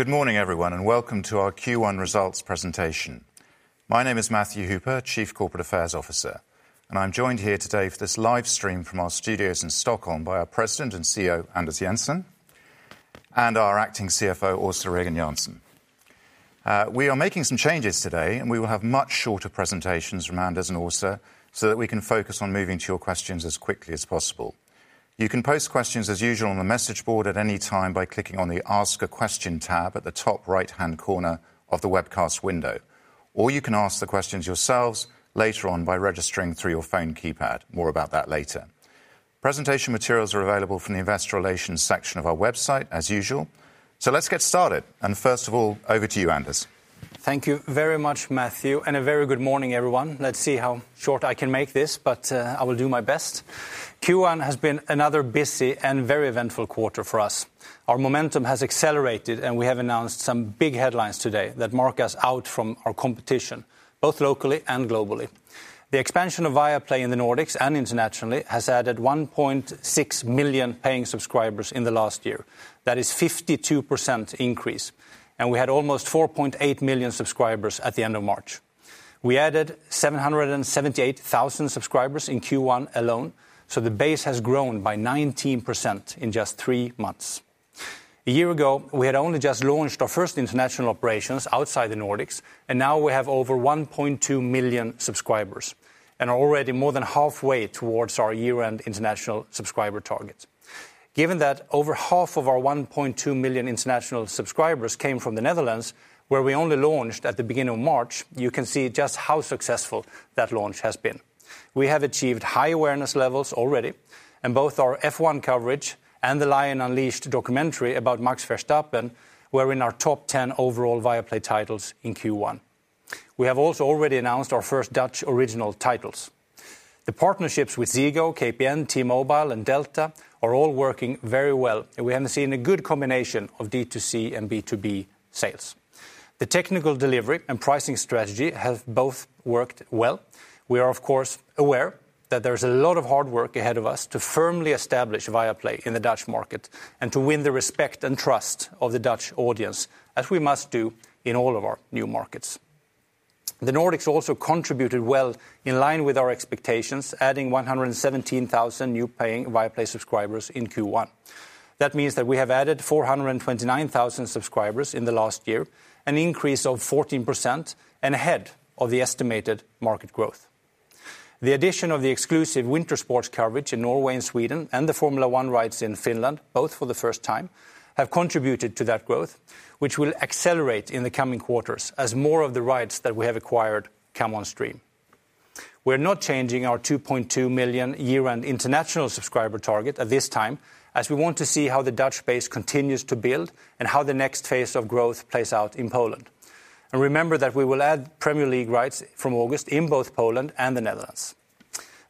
Good morning, everyone, and welcome to our Q1 results presentation. My name is Matthew Hooper, Chief Corporate Affairs Officer, and I'm joined here today for this live stream from our studios in Stockholm by our President and CEO, Anders Jensen, and our Acting CFO, Åsa Regen Jansson. We are making some changes today, and we will have much shorter presentations from Anders and Åsa so that we can foc on moving to your questions as quickly as possible. You can post questions as usual on the message board at any time by clicking on the Ask a Question tab at the top right-hand corner of the webcast window, or you can ask the questions yourselves later on by registering through your phone keypad. More about that later. Presentation materials are available from the Investor Relations section of our website as usual. Let's get started. First of all, over to you, Anders. Thank you very much, Matthew, and a very good morning, everyone. Let's see how short I can make this, but I will do my best. Q1 has been another busy and very eventful for us. Our momentum has accelerated, and we have announced some big headlines today that mark us out from our competition, both locally and globally. The expansion of Viaplay in the Nordics and internationally has added 1.6 million paying subscribers in the last. That is 52% increase, and we had almost 4.8 million subscribers at the end of March. We added 778,000 subscribers in Q1 alone, so the base has grown by 19% in just three months. A year ago, we had only just launched our first international operations outside the Nordics, and now we have over 1.2 million subscribers and are already more than halfway towards our year-end international subscriber targets. Given that over half of our 1.2 million international subscribers came from the Netherlands, where we only launched at the beginning of March, you can see just how successful that launch has been. We have achieved high awareness levels already, and both our F1 coverage and The Lion Unleashed documentary about Max Verstappen were in our top 10 overall Viaplay titles in Q1. We have also already announced our first Dutch original titles. The partnerships with, KPN, T-Mobile, and DELTA are all working very well, and we have seen a good combination of D2C and B2B sales. The technical delivery and pricing strategy have both worked well. We are, of course, aware that there is a lot of hard work ahead of us to firmly establish Viaplay in the Dutch market and to win the respect and trust of the Dutch audience, as we must do in all of our new markets. The Nordics also contributed well in line with our expectations, adding 117,000 new paying Viaplay subscribers in Q1. That means that we have added 429,000 subscribers in the last year, an increase of 14% and ahead of the estimated market growth. The addition of the exclusive winter sports coverage in Norway and Sweden and the Formula One rights in Finland, both for the first time, have contributed to that growth, which will accelerate in the coming quarters as more of the rights that we have acquired come on stream. We're not changing our 2.2 million year-end international subscriber target at this time, as we want to see how the Dutch base continues to build and how the next phase of growth plays out in Poland. Remember that we will add Premier League rights from August in both Poland and the Netherlands.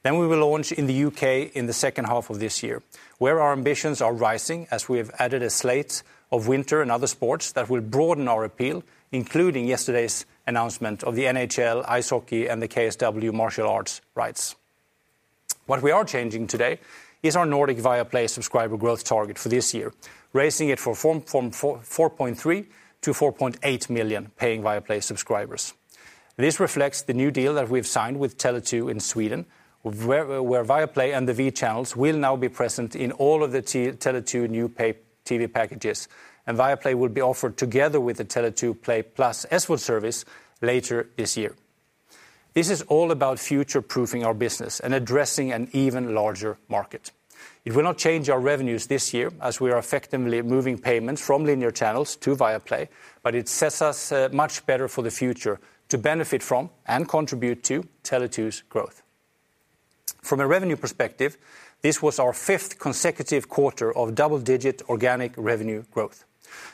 We will launch in the U.K. in the second half of this year, where our ambitions are rising as we have added a slate of winter and other sports that will broaden our appeal, including yesterday's announcement of the NHL ice hockey and the KSW martial arts rights. What we are changing today is our Nordic Viaplay subscriber growth target for this year, raising it from 4.3 to 4.8 million paying Viaplay subscribers. This reflects the new deal that we've signed with Tele2 in Sweden, where Viaplay and the V channels will now be present in all of the Tele2 new pay TV packages, and Viaplay will be offered together with the Tele2 Play Plus SVOD service later this year. This is all about future-proofing our business and addressing an even larger market. It will not change our revenues this year as we are effectively moving payments from linear channels to Viaplay, but it sets us much better for the future to benefit from and contribute to Tele2's growth. From a revenue perspective, this was our fifth consecutive quarter of double-digit organic revenue growth.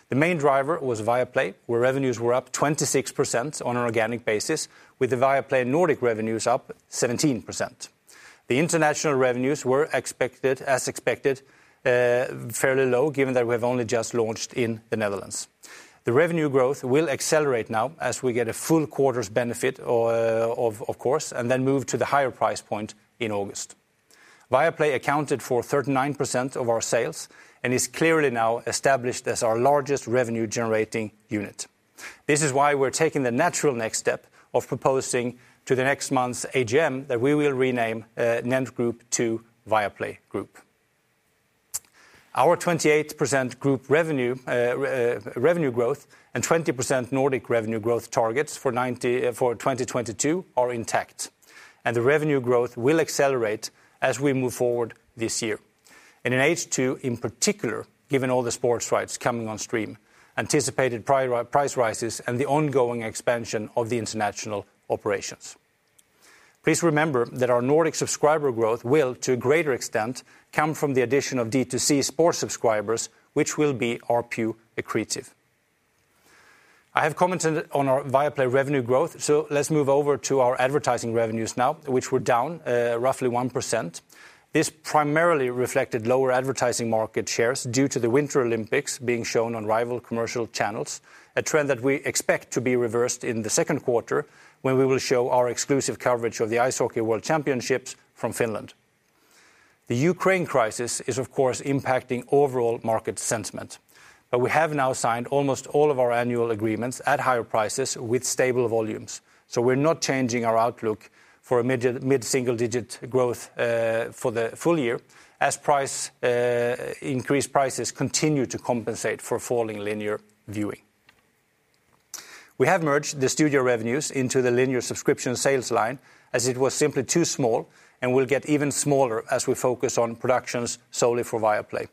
The main driver was Viaplay, where revenues were up 26% on an organic basis, with the Viaplay Nordic revenues up 17%. As expected, fairly low, given that we've only just launched in the Netherlands. The revenue growth will accelerate now as we get a full quarter's benefit, of course, and then move to the higher price point in August. Viaplay accounted for 39% of our sales and is clearly now established as our largest revenue-generating unit. This is why we're taking the natural next step of proposing to the next month's AGM that we will rename NENT Group to Viaplay Group. Our 28% group revenue growth and 20% Nordic revenue growth targets for 2022 are intact, and the revenue growth will accelerate as we move forward this year. In H2, in particular, given all the sports rights coming on stream, anticipated price rises, and the ongoing expansion of the international operations. Please remember that our Nordic subscriber growth will, to a greater extent, come from the addition of D2C sports subscribers, which will be ARPU accretive. I have commented on our Viaplay revenue growth, so let's move over to our advertising revenues now, which were down roughly 1%. This primarily reflected lower advertising market shares due to the Winter Olympics being shown on rival commercial channels, a trend that we expect to be reversed in the Q2 when we will show our exclusive coverage of the Ice Hockey World Championships from Finland. The Ukraine crisis is, of course, impacting overall market sentiment. We have now signed almost all of our annual agreements at higher prices with stable volumes. We're not changing our outlook for a mid-single-digit growth for the full year as increased prices continue to compensate for falling linear viewing. We have merged the studio revenues into the linear subscription sales line as it was simply too small and will get even smaller as we focus on productions solely for Viaplay.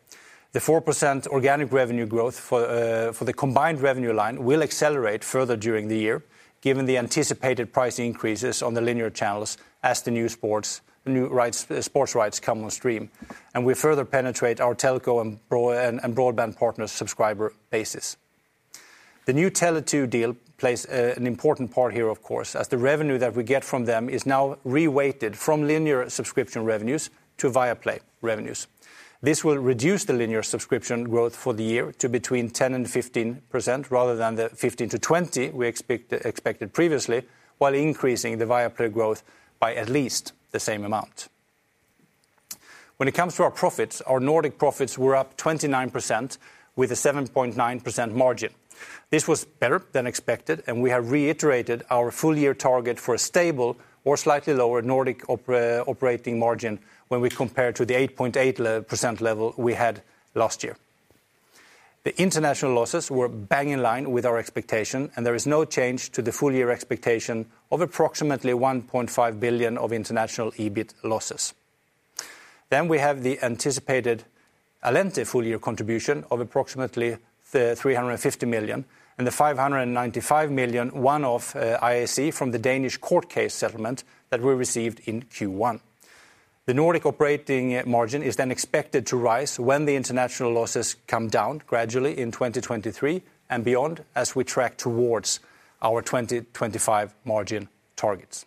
The 4% organic revenue growth for the combined revenue line will accelerate further during the year, given the anticipated price increases on the linear channels as the new sports, new rights, sports rights come on stream, and we further penetrate our telco and broadband partner subscriber bases. The new Tele2 deal plays an important part here, of course, as the revenue that we get from them is now reweighted from linear subscription revenues to Viaplay revenues. This will reduce the linear subscription growth for the year to between 10% and 15% rather than the 15%-20% we expect, expected previously, while increasing the Viaplay growth by at least the same amount. When it comes to our profits, our Nordic profits were up 29% with a 7.9% margin. This was better than expected, and we have reiterated our full year target for a stable or slightly lower Nordic operating margin when we compare to the 8.8% level we had last year. The international losses were bang in line with our expectation, and there is no change to the full year expectation of approximately 1.5 billion of international EBIT losses. We have the anticipated full year contribution of approximately 300 million SEK and the 595 million SEK one-off IAC from the Danish court case settlement that we received in Q1. The Nordic operating margin is then expected to rise when the international losses come down gradually in 2023 and beyond as we track towards our 2025 margin targets.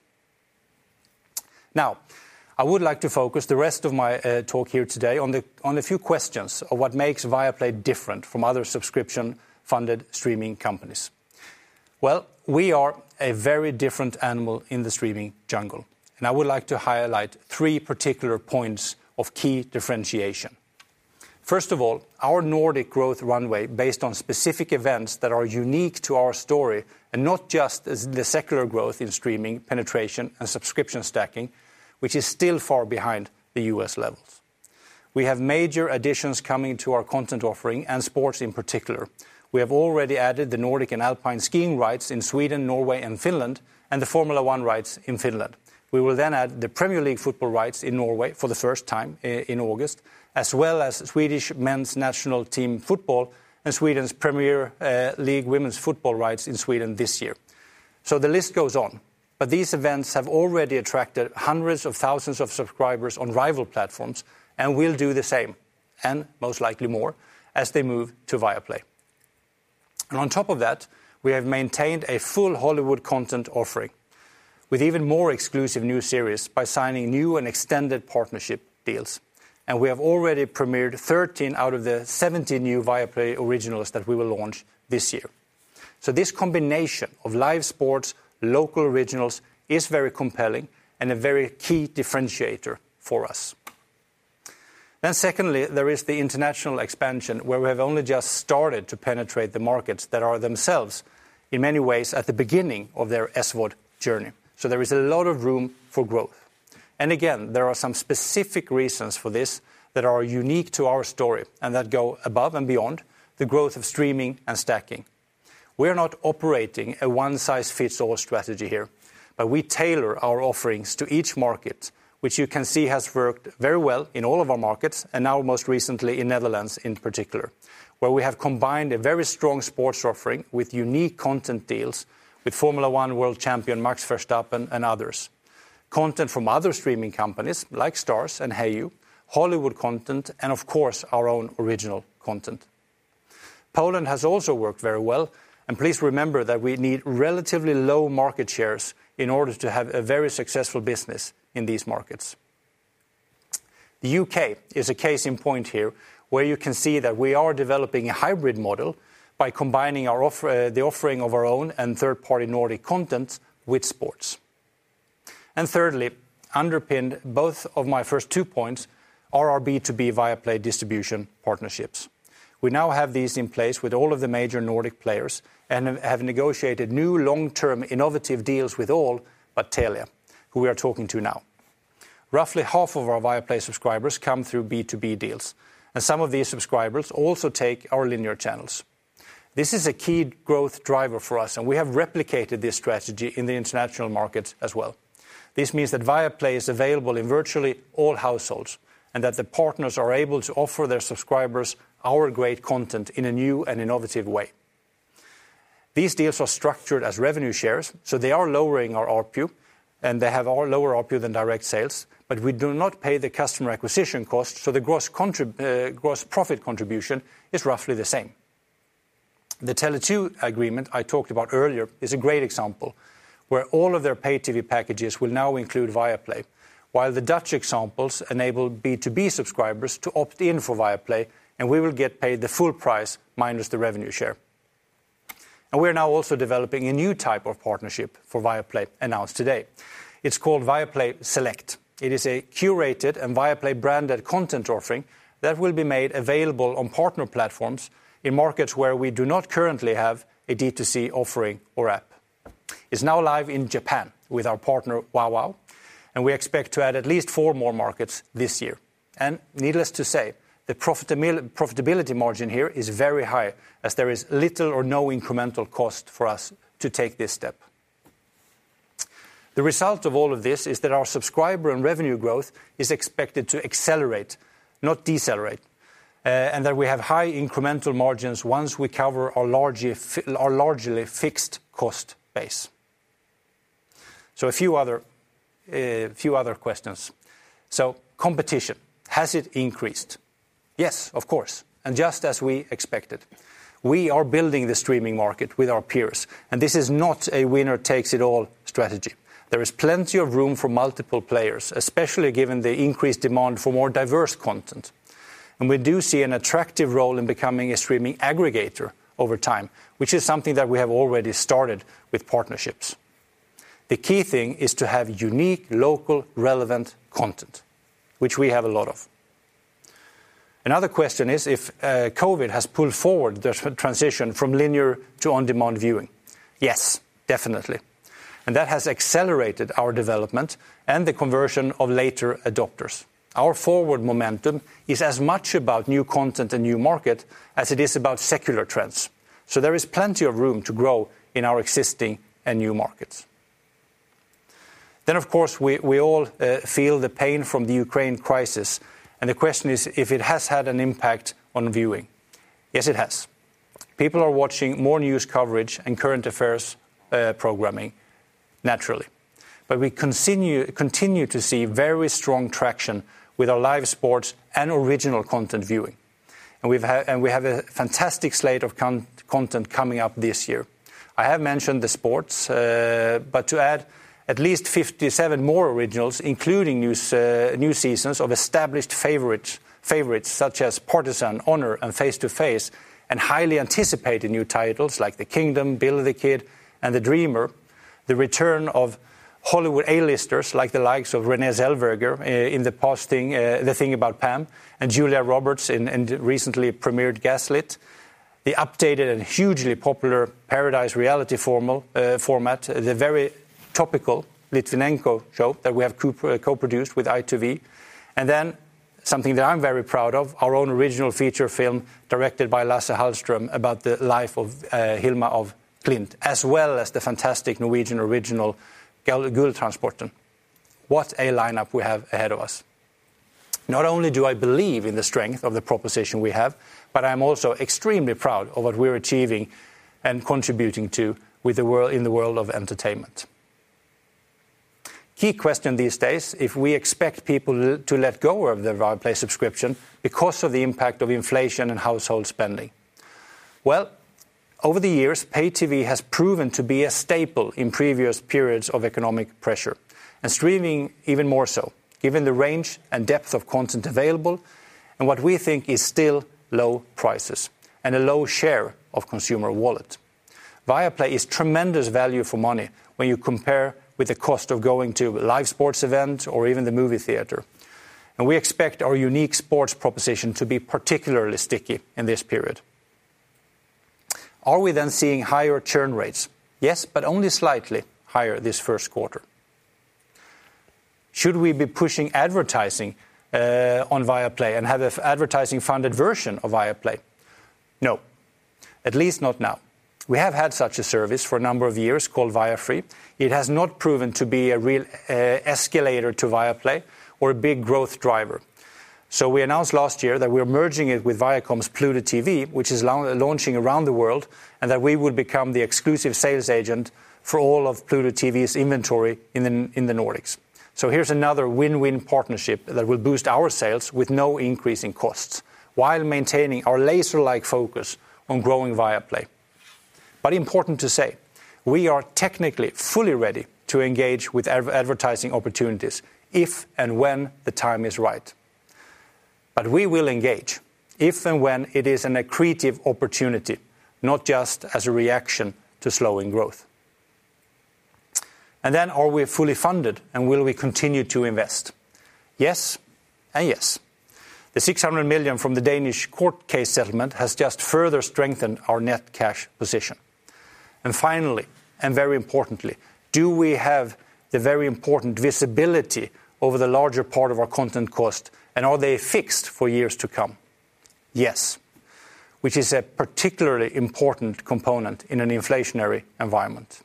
I would like to focus the rest of my talk here today on a few questions of what makes Viaplay different from other subscription-funded streaming companies. Well, we are a very different animal in the streaming jungle, and I would like to highlight three particular points of key differentiation. First of all, our Nordic growth runway based on specific events that are unique to our story and not just as the secular growth in streaming penetration and subscription stacking, which is still far behind the U.S. levels. We have major additions coming to our content offering and sports in particular. We have already added the Nordic and Alpine skiing rights in Sweden, Norway, and Finland, and the Formula 1 rights in Finland. We will then add the Premier League football rights in Norway for the first time in August, as well as Swedish men's national team football and Sweden's Premier League women's football rights in Sweden this year. The list goes on. These events have already attracted hundreds of thousands of subscribers on rival platforms and will do the same, and most likely more, as they move to Viaplay. On top of that, we have maintained a full Hollywood content offering with even more exclusive new series by signing new and extended partnership deals. We have already premiered 13 out of the 70 new Viaplay originals that we will launch this year. This combination of live sports, local originals is very compelling and a very key differentiator for us. Secondly, there is the international expansion where we have only just started to penetrate the markets that are themselves, in many ways, at the beginning of their SVOD journey. There is a lot of room for growth. Again, there are some specific reasons for this that are unique to our story and that go above and beyond the growth of streaming and stacking. We are not operating a one size fits all strategy here, but we tailor our offerings to each market, which you can see has worked very well in all of our markets and now most recently in Netherlands in particular, where we have combined a very strong sports offering with unique content deals with Formula One world champion Max Verstappen and others. Content from other streaming companies like STARZ and hayu, Hollywood content, and of course our own original content. Poland has also worked very well, and please remember that we need relatively low market shares in order to have a very successful business in these markets. The U.K. is a case in point here, where you can see that we are developing a hybrid model by combining the offering of our own and third-party Nordic content with sports. Thirdly, underpinned both of my first two points are our B2B Viaplay distribution partnerships. We now have these in place with all of the major Nordic players and have negotiated new long-term innovative deals with all but Telia, who we are talking to now. Roughly half of our Viaplay subscribers come through B2B deals, and some of these subscribers also take our linear channels. This is a key growth driver for us, and we have replicated this strategy in the international markets as well. This means that Viaplay is available in virtually all households and that the partners are able to offer their subscribers our great content in a new and innovative way. These deals are structured as revenue shares, so they are lowering our ARPU, and they have all lower ARPU than direct sales, but we do not pay the customer acquisition cost, so the gross profit contribution is roughly the same. The Tele2 agreement I talked about earlier is a great example where all of their paid TV packages will now include Viaplay, while the Dutch examples enable B2B subscribers to opt in for Viaplay, and we will get paid the full price minus the revenue share. We are now also developing a new type of partnership for Viaplay announced today. It's called Viaplay Select. It is a curated and Viaplay branded content offering that will be made available on partner platforms in markets where we do not currently have a D2C offering or app. It's now live in Japan with our partner WOWOW, and we expect to add at least four more markets this year. Needless to say, the profitability margin here is very high as there is little or no incremental cost for us to take this step. The result of all of this is that our subscriber and revenue growth is expected to accelerate, not decelerate, and that we have high incremental margins once we cover our largely fixed cost base. A few other questions. Competition, has it increased? Yes, of course, and just as we expected. We are building the streaming market with our peers, and this is not a winner-takes-it-all strategy. There is plenty of room for multiple players, especially given the increased demand for more diverse content. We do see an attractive role in becoming a streaming aggregator over time, which is something that we have already started with partnerships. The key thing is to have unique, local, relevant content, which we have a lot of. Another question is if COVID has pulled forward the transition from linear to on-demand viewing. Yes, definitely. That has accelerated our development and the conversion of later adopters. Our forward momentum is as much about new content and new market as it is about secular trends. There is plenty of room to grow in our existing and new markets. Of course, we all feel the pain from the Ukraine crisis, and the question is if it has had an impact on viewing. Yes, it has. People are watching more news coverage and current affairs programming, naturally. We continue to see very strong traction with our live sports and original content viewing. We have a fantastic slate of content coming up this year. I have mentioned the sports, but to add at least 57 more originals, including new seasons of established favorites such as Partisan, Honor, and Face to Face, and highly anticipated new titles like The Kingdom, Billy the Kid, and The Dreamer, the return of Hollywood A-listers like the likes of Renée Zellweger in The Thing About Pam, and Julia Roberts in the recently premiered Gaslit. The updated and hugely popular Paradise reality format, the very topical Litvinenko show that we have co-produced with ITV, and then something that I'm very proud of, our own original feature film directed by Lasse Hallström about the life of Hilma af Klint, as well as the fantastic Norwegian original, Gulltransporten. What a lineup we have ahead of us. Not only do I believe in the strength of the proposition we have, but I'm also extremely proud of what we're achieving and contributing to in the world of entertainment. Key question these days, if we expect people to let go of their Viaplay subscription because of the impact of inflation and household spending. Well, over the years, pay TV has proven to be a staple in previous periods of economic pressure, and streaming even more so, given the range and depth of content available and what we think is still low prices and a low share of consumer wallet. Viaplay is tremendous value for money when you compare with the cost of going to live sports event or even the movie theater. We expect our unique sports proposition to be particularly sticky in this period. Are we then seeing higher churn rates? Yes, but only slightly higher this Q2. Should we be pushing advertising on Viaplay and have a advertising-funded version of Viaplay? No. At least not now. We have had such a service for a number of years called Viafree. It has not proven to be a real escalator to Viaplay or a big growth driver. We announced last year that we are merging it with Viacom's Pluto TV, which is launching around the world, and that we would become the exclusive sales agent for all of Pluto TV's inventory in the Nordics. Here's another win-win partnership that will boost our sales with no increase in costs while maintaining our laser-like focus on growing Viaplay. Important to say, we are technically fully ready to engage with advertising opportunities if and when the time is right. We will engage if and when it is an accretive opportunity, not just as a reaction to slowing growth. Are we fully funded, and will we continue to invest? Yes and yes. The 600 million from the Danish court case settlement has just further strengthened our net cash position. Finally, and very importantly, do we have the very important visibility over the larger part of our content cost, and are they fixed for years to come? Yes, which is a particularly important component in an inflationary environment.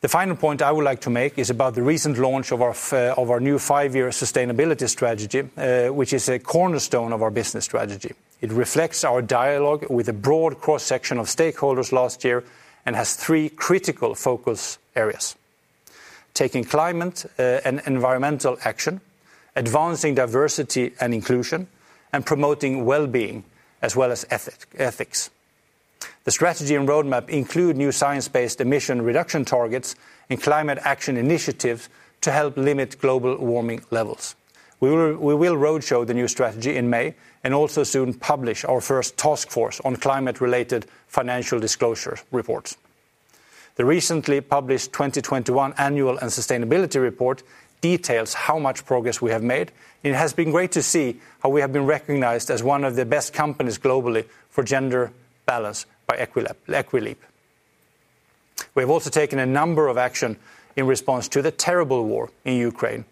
The final point I would like to make is about the recent launch of our new five-year sustainability strategy, which is a cornerstone of our business strategy. It reflects our dialogue with a broad cross-section of stakeholders last year and has three critical focus areas, taking climate and environmental action, advancing diversity and inclusion, and promoting well-being, as well as ethics. The strategy and roadmap include new science-based emission reduction targets and climate action initiatives to help limit global warming levels. We will roadshow the new strategy in May and also soon publish our first task force on climate-related financial disclosure reports. The recently published 2021 annual and sustainability report details how much progress we have made. It has been great to see how we have been recognized as one of the best companies globally for gender balance by Equileap. We have also taken a number of action in response to the terrible war in Ukraine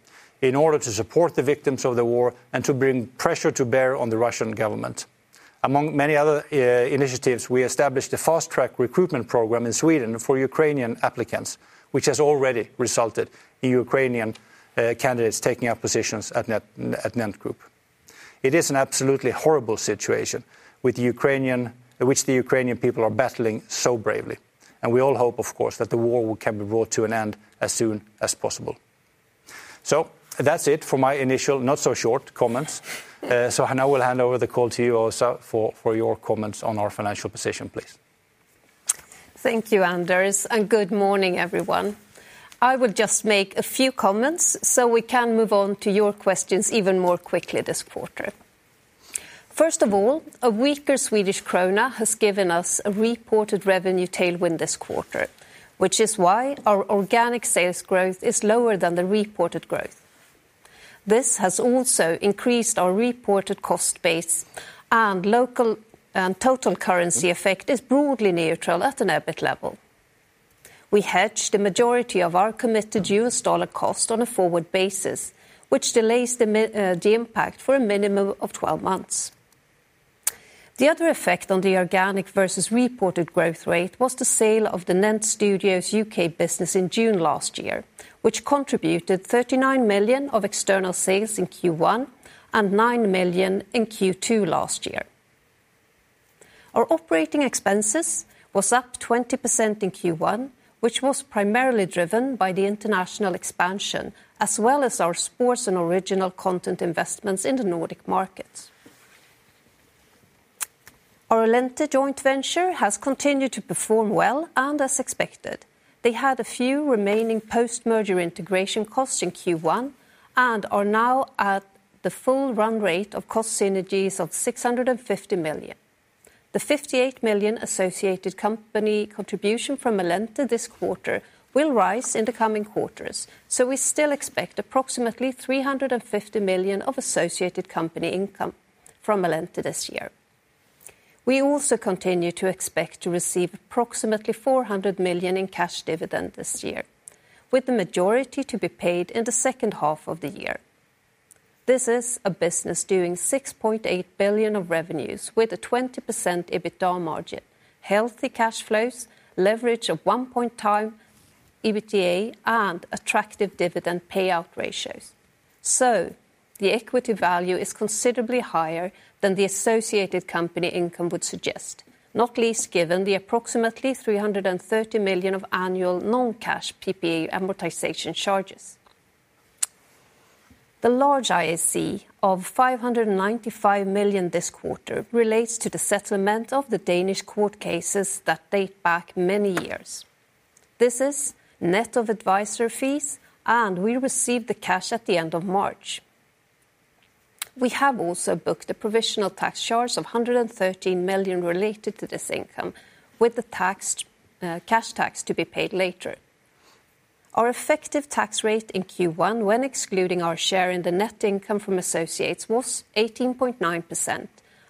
in order to support the victims of the war and to bring pressure to bear on the Russian government. Among many other initiatives, we established a fast-track recruitment program in Sweden for Ukrainian applicants, which has already resulted in Ukrainian candidates taking up positions at NENT Group. It is an absolutely horrible situation which the Ukrainian people are battling so bravely, and we all hope, of course, that the war can be brought to an end as soon as possible. That's it for my initial not so short comments. Now we'll hand over the call to you, Åsa, for your comments on our financial position, please. Thank you, Anders, and good morning, everyone. I will just make a few comments so we can move on to your questions even more quickly this quarter. First of all, a weaker Swedish krona has given us a reported revenue tailwind this quarter, which is why our organic sales growth is lower than the reported growth. This has also increased our reported cost base and local and total currency effect is broadly neutral at an EBIT level. We hedged a majority of our committed U.S. dollar cost on a forward basis, which delays the impact for a minimum of 12 months. The other effect on the organic versus reported growth rate was the sale of the NENT Studios UK business in June last year, which contributed 39 million of external sales in Q1 and 9 million in Q2 last year. Our operating expenses was up 20% in Q1, which was primarily driven by the international expansion as well as our sports and original content investments in the Nordic markets. Our Allente joint venture has continued to perform well and as expected. They had a few remaining post-merger integration costs in Q1 and are now at the full run rate of cost synergies of 650 million. The 58 million associated company contribution from Allente this quarter will rise in the coming quarters, so we still expect approximately 350 million of associated company income from Allente this year. We also continue to expect to receive approximately 400 million in cash dividend this year, with the majority to be paid in the second half of the year. This is a business doing 6.8 billion of revenues with a 20% EBITDA margin, healthy cash flows, leverage of 1x EBITDA, and attractive dividend payout ratios. The equity value is considerably higher than the associated company income would suggest, not least given the approximately 330 million of annual non-cash PPA amortization charges. The large IAC of 595 million this quarter relates to the settlement of the Danish court cases that date back many years. This is net of advisor fees, and we received the cash at the end of March. We have also booked a provisional tax charge of 113 million related to this income, with the tax, cash tax to be paid later. Our effective tax rate in Q1 when excluding our share in the net income from associates was 18.9%,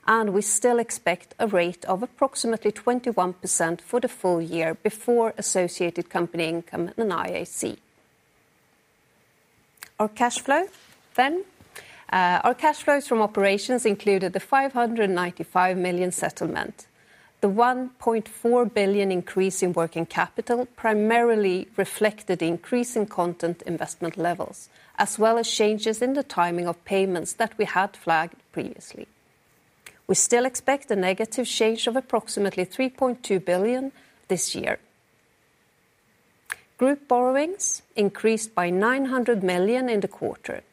and we still expect a rate of approximately 21% for the full year before associated company income and IAC. Our cash flows from operations included the 595 million settlement. The 1.4 billion increase in working capital primarily reflected the increase in content investment levels, as well as changes in the timing of payments that we had flagged previously. We still expect a negative change of approximately 3.2 billion this year. Group borrowings increased by 900 million in the quarter.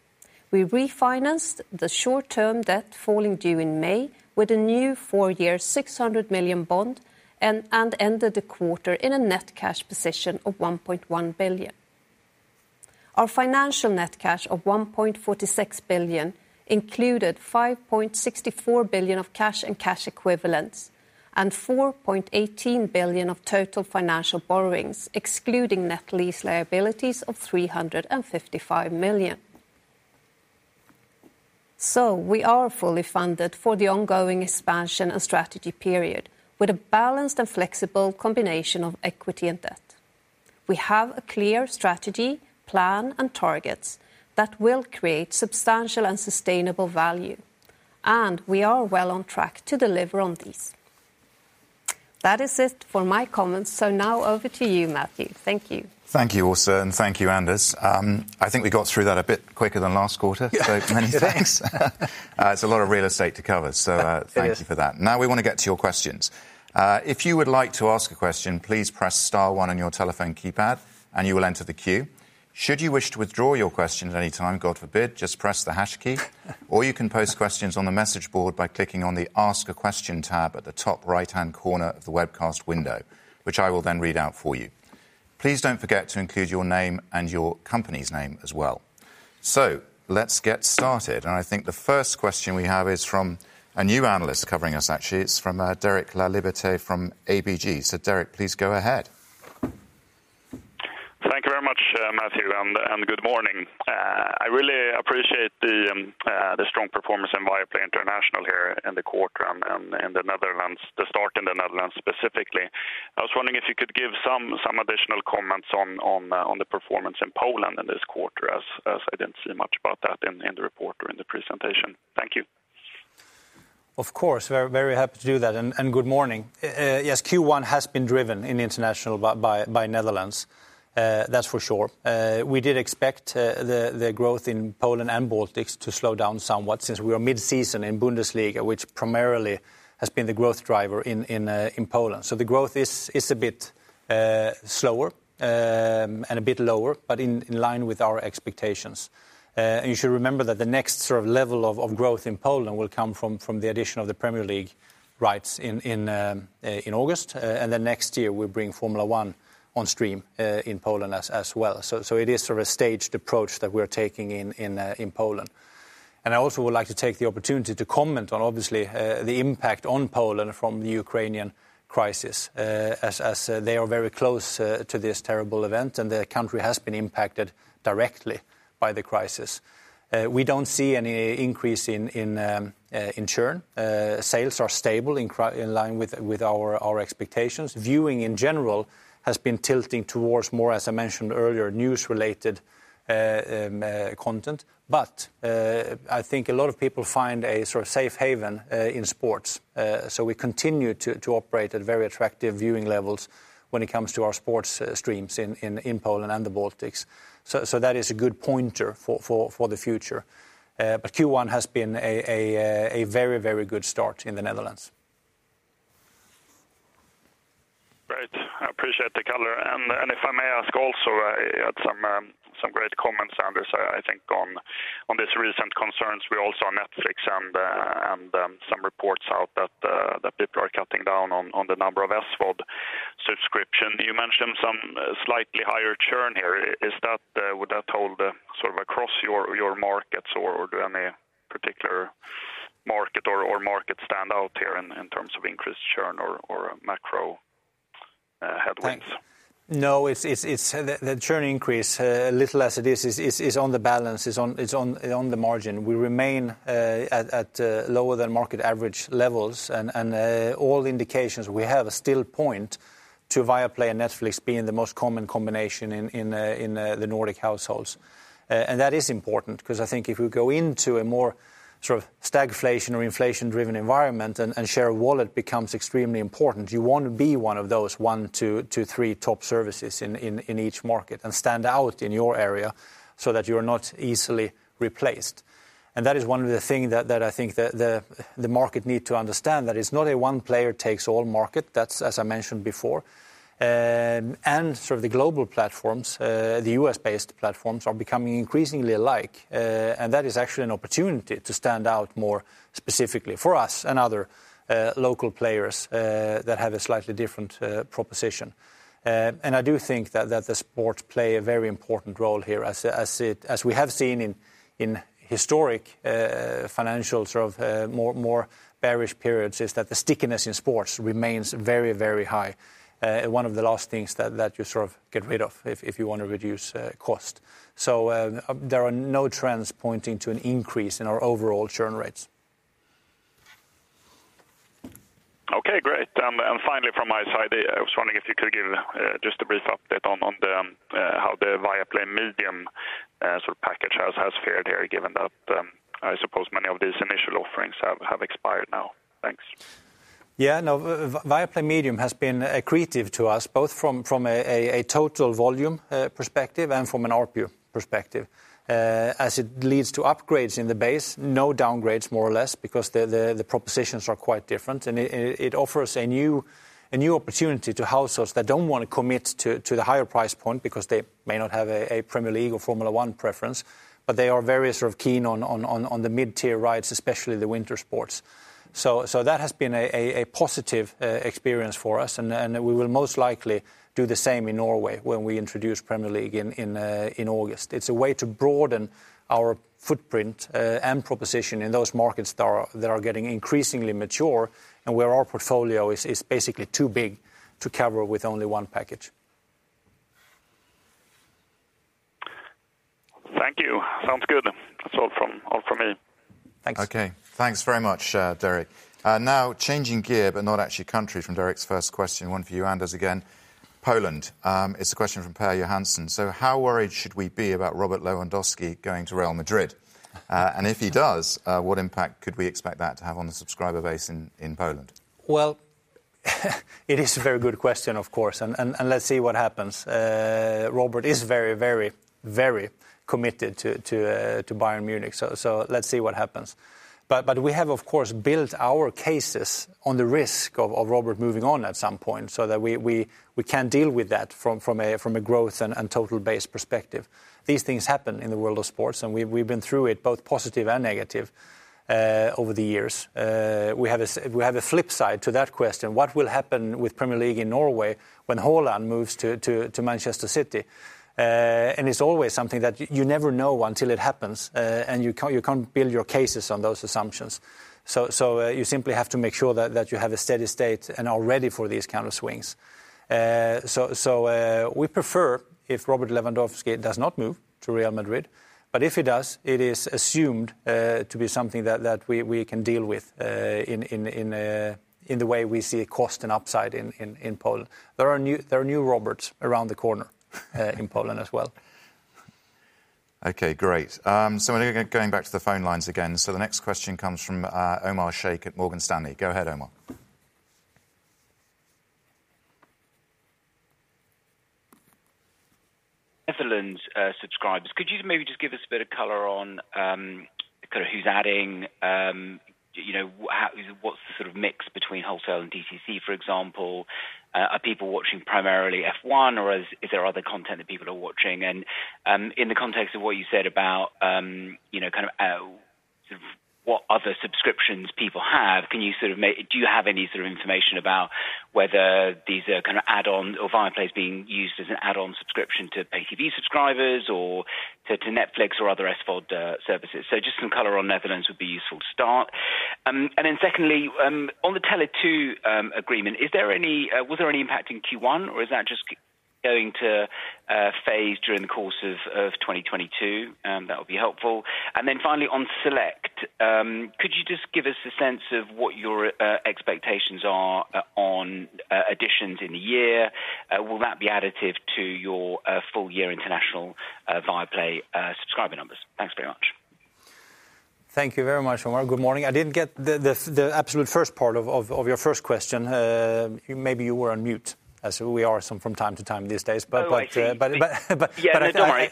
We refinanced the short-term debt falling due in May with a new four-year 600 million bond and ended the quarter in a net cash position of 1.1 billion. Our financial net cash of 1.46 billion included 5.64 billion of cash and cash equivalents and 4.18 billion of total financial borrowings, excluding net lease liabilities of 355 million. We are fully funded for the ongoing expansion and strategy period with a balanced and flexible combination of equity and debt. We have a clear strategy, plan, and targets that will create substantial and sustainable value, and we are well on track to deliver on these. That is it for my comments, so now over to you, Matthew. Thank you. Thank you, Åsa, and thank you, Anders. I think we got through that a bit quicker than last quarter. Yeah. Many thanks. It's a lot of real estate to cover. It is. Thank you for that. Now we wanna get to your questions. If you would like to ask a question, please press star one on your telephone keypad and you will enter the queue. Should you wish to withdraw your question at any time, God forbid, just press the hash key. Or you can post questions on the message board by clicking on the Ask a Question tab at the top right-hand corner of the webcast window, which I will then read out for you. Please don't forget to include your name and your company's name as well. Let's get started. I think the first question we have is from a new analyst covering us, actually. It's from Derek Laliberte from ABG. Derek, please go ahead. Thank you very much, Matthew, and good morning. I really appreciate the strong performance in Viaplay International here in the quarter and in the Netherlands, the start in the Netherlands specifically. I was wondering if you could give some additional comments on the performance in Poland in this quarter as I didn't see much about that in the report or in the presentation. Thank you. Of course, very, very happy to do that and good morning. Yes, Q1 has been driven in international by Netherlands. That's for sure. We did expect the growth in Poland and Baltics to slow down somewhat since we are mid-season in Bundesliga, which primarily has been the growth driver in Poland. The growth is a bit slower and a bit lower but in line with our expectations. You should remember that the next sort of level of growth in Poland will come from the addition of the Premier League rights in August. Next year we'll bring Formula 1 on stream in Poland as well. It is sort of a staged approach that we're taking in Poland. I also would like to take the opportunity to comment on obviously the impact on Poland from the Ukrainian crisis, as they are very close to this terrible event and the country has been impacted directly by the crisis. We don't see any increase in churn. Sales are stable in line with our expectations. Viewing in general has been tilting towards more, as I mentioned earlier, news related content. I think a lot of people find a sort of safe haven in sports. We continue to operate at very attractive viewing levels when it comes to our sports streams in Poland and the Baltics. That is a good pointer for the future. Q1 has been a very, very good start in the Netherlands. Great. I appreciate the color. If I may ask also, some great comments, Anders. I think on this recent concerns we also saw on Netflix and some reports out that people are cutting down on the number of SVOD subscriptions. You mentioned some slightly higher churn here. Would that hold sort of across your markets or do any particular market or markets stand out here in terms of increased churn or macro headwinds? No. It's the churn increase, little as it is on balance, on the margin. We remain at lower than market average levels. All indications we have still point to Viaplay and Netflix being the most common combination in the Nordic households. That is important 'cause I think if we go into a more sort of stagflation or inflation-driven environment and share of wallet becomes extremely important, you wanna be one of those one to three top services in each market and stand out in your area so that you're not easily replaced. That is one of the thing that I think the market need to understand, that it's not a one player takes all market. That's as I mentioned before. Sort of the global platforms, the U.S.-based platforms are becoming increasingly alike. That is actually an opportunity to stand out more specifically for us and other local players that have a slightly different proposition. I do think that the sports play a very important role here as we have seen in historic financial sort of more bearish periods, is that the stickiness in sports remains very, very high. One of the last things that you sort of get rid of if you wanna reduce cost. There are no trends pointing to an increase in our overall churn rates. Okay, great. Finally from my side, I was wondering if you could give just a brief update on how the Viaplay Medium sort of package has fared here, given that I suppose many of these initial offerings have expired now. Thanks. Yeah, no, Viaplay Medium has been accretive to us both from a total volume perspective and from an ARPU perspective, as it leads to upgrades in the base, no downgrades more or less because the propositions are quite different. It offers a new opportunity to households that don't wanna commit to the higher price point because they may not have a Premier League or Formula 1 preference, but they are very sort of keen on the mid-tier rights, especially the winter sports. That has been a positive experience for us. We will most likely do the same in Norway when we introduce Premier League in August. It's a way to broaden our footprint and proposition in those markets that are getting increasingly mature and where our portfolio is basically too big to cover with only one package. Thank you. Sounds good. That's all from me. Thanks. Okay. Thanks very much, Derek. Now changing gear, but not actually changing country from Derek's first question, one for you, Anders, again. Poland, it's a question from Per Johansson. How worried should we be about Robert Lewandowski going to Real Madrid? And if he does, what impact could we expect that to have on the subscriber base in Poland? It is a very good question, of course, and let's see what happens. Robert is very committed to Bayern Munich, so let's see what happens. We have of course built our cases on the risk of Robert moving on at some point so that we can deal with that from a growth and total base perspective. These things happen in the world of sports, and we've been through it, both positive and negative, over the years. We have a flip side to that question, what will happen with Premier League in Norway when Haaland moves to Manchester City? It's always something that you never know until it happens, and you can't build your cases on those assumptions. You simply have to make sure that you have a steady state and are ready for these kind of swings. We prefer if Robert Lewandowski does not move to Real Madrid, but if he does, it is assumed to be something that we can deal with in the way we see cost and upside in Poland. There are new Roberts around the corner in Poland as well. Okay, great. We're going back to the phone lines again. The next question comes from Omar Sheikh at Morgan Stanley. Go ahead, Omar. Netherlands subscribers, could you maybe just give us a bit of color on kind of who's adding, you know, What's the sort of mix between wholesale and D2C, for example? Are people watching primarily F1 or is there other content that people are watching? And in the context of what you said about, you know, kind of sort of what other subscriptions people have, can you sort of make. Do you have any sort of information about whether these are kind of add-ons or Viaplay is being used as an add-on subscription to pay TV subscribers or to Netflix or other SVOD services? So just some color on Netherlands would be useful to start. And then secondly, on the Tele2 agreement, is there any. Was there any impact in Q1 or is that just going to phase during the course of 2022? That would be helpful. Finally on Select, could you just give us a sense of what your expectations are on additions in the year? Will that be additive to your full year international Viaplay subscriber numbers? Thanks very much. Thank you very much, Omar. Good morning. I didn't get the absolute first part of your first question. Maybe you were on mute, as we sometimes are from time to time these days. But No, I think. But, but- Yeah, no, don't worry.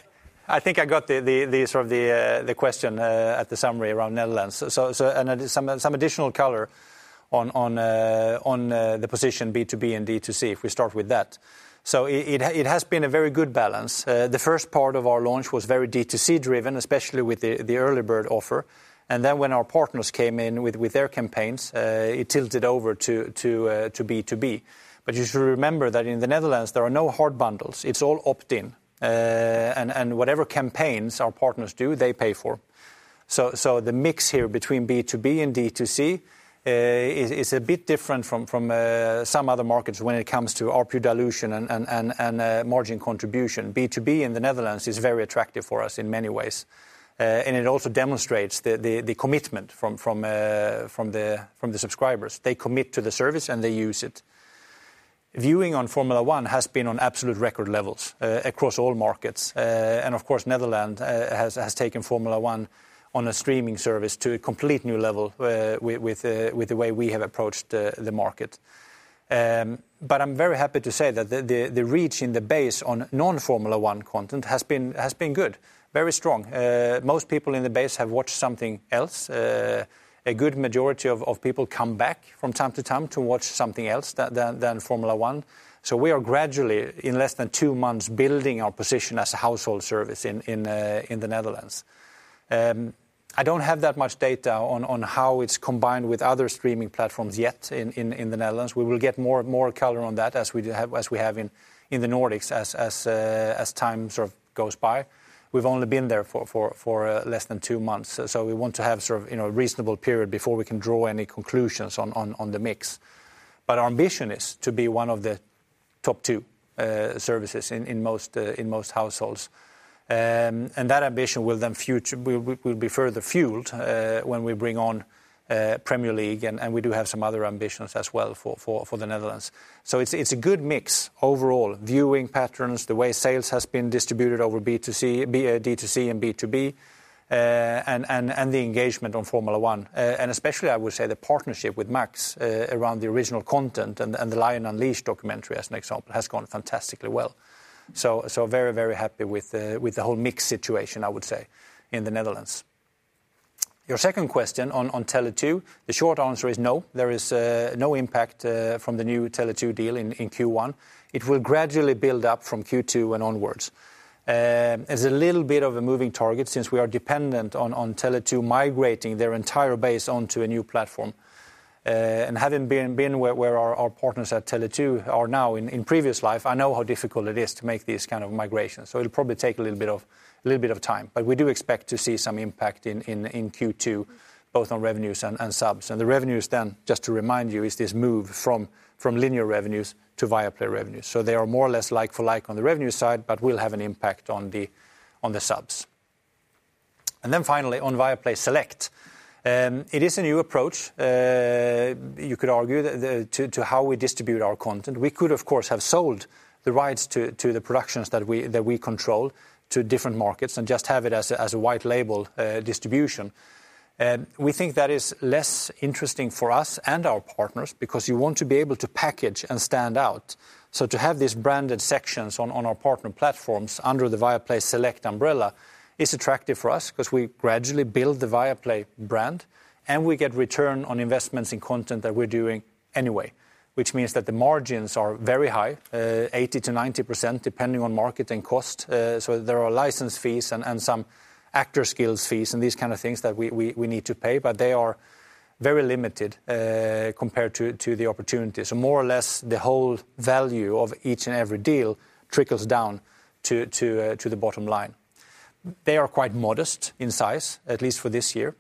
I think I got the question at the summary around Netherlands. Some additional color on the position B2B and D2C, if we start with that. It has been a very good balance. The first part of our launch was very D2C driven, especially with the early bird offer. Then when our partners came in with their campaigns, it tilted over to B2B. You should remember that in the Netherlands there are no hard bundles. It's all opt-in. Whatever campaigns our partners do, they pay for. The mix here between B2B and D2C is a bit different from some other markets when it comes to RPU dilution and margin contribution. B2B in the Netherlands is very attractive for us in many ways. It also demonstrates the commitment from the subscribers. They commit to the service, and they use it. Viewing on Formula 1 has been on absolute record levels across all markets. Of course, Netherlands has taken Formula 1 on a streaming service to a complete new level with the way we have approached the market. I'm very happy to say that the reach in the base on non-Formula 1 content has been good, very strong. Most people in the base have watched something else. A good majority of people come back from time to time to watch something else than Formula 1. We are gradually, in less than two months, building our position as a household service in the Netherlands. I don't have that much data on how it's combined with other streaming platforms yet in the Netherlands. We will get more color on that as we have in the Nordics as time sort of goes by. We've only been there for less than two months, so we want to have sort of, you know, a reasonable period before we can draw any conclusions on the mix. Our ambition is to be one of the top two services in most households. That ambition will be further fueled when we bring on Premier League and we do have some other ambitions as well for the Netherlands. It's a good mix overall, viewing patterns, the way sales has been distributed over B2C, D2C and B2B, and the engagement on Formula 1. Especially I would say the partnership with Max around the original content and the Lion Unleashed documentary, as an example, has gone fantastically well. Very happy with the whole mix situation, I would say, in the Netherlands. Your second question on Tele2, the short answer is no. There is no impact from the new Tele2 deal in Q1. It will gradually build up from Q2 and onwards. It's a little bit of a moving target since we are dependent on Tele2 migrating their entire base onto a new platform. Having been where our partners at Tele2 are now in previous life, I know how difficult it is to make these kind of migrations, so it'll probably take a little bit of time. We do expect to see some impact in Q2, both on revenues and subs. The revenues then, just to remind you, is this move from linear revenues to Viaplay revenues. They are more or less like for like on the revenue side, but will have an impact on the subs. Finally on Viaplay Select, it is a new approach, you could argue, to how we distribute our content. We could of course have sold the rights to the productions that we control to different markets and just have it as a white label distribution. We think that is less interesting for us and our partners because you want to be able to package and stand out. To have these branded sections on our partner platforms under the Viaplay Select umbrella is attractive for us because we gradually build the Viaplay brand and we get return on investments in content that we're doing anyway. Which means that the margins are very high, 80%-90% depending on market and cost. There are license fees and some actor skills fees and these kind of things that we need to pay, but they are very limited compared to the opportunities. More or less the whole value of each and every deal trickles down to the bottom line. They are quite modest in size, at least for this year.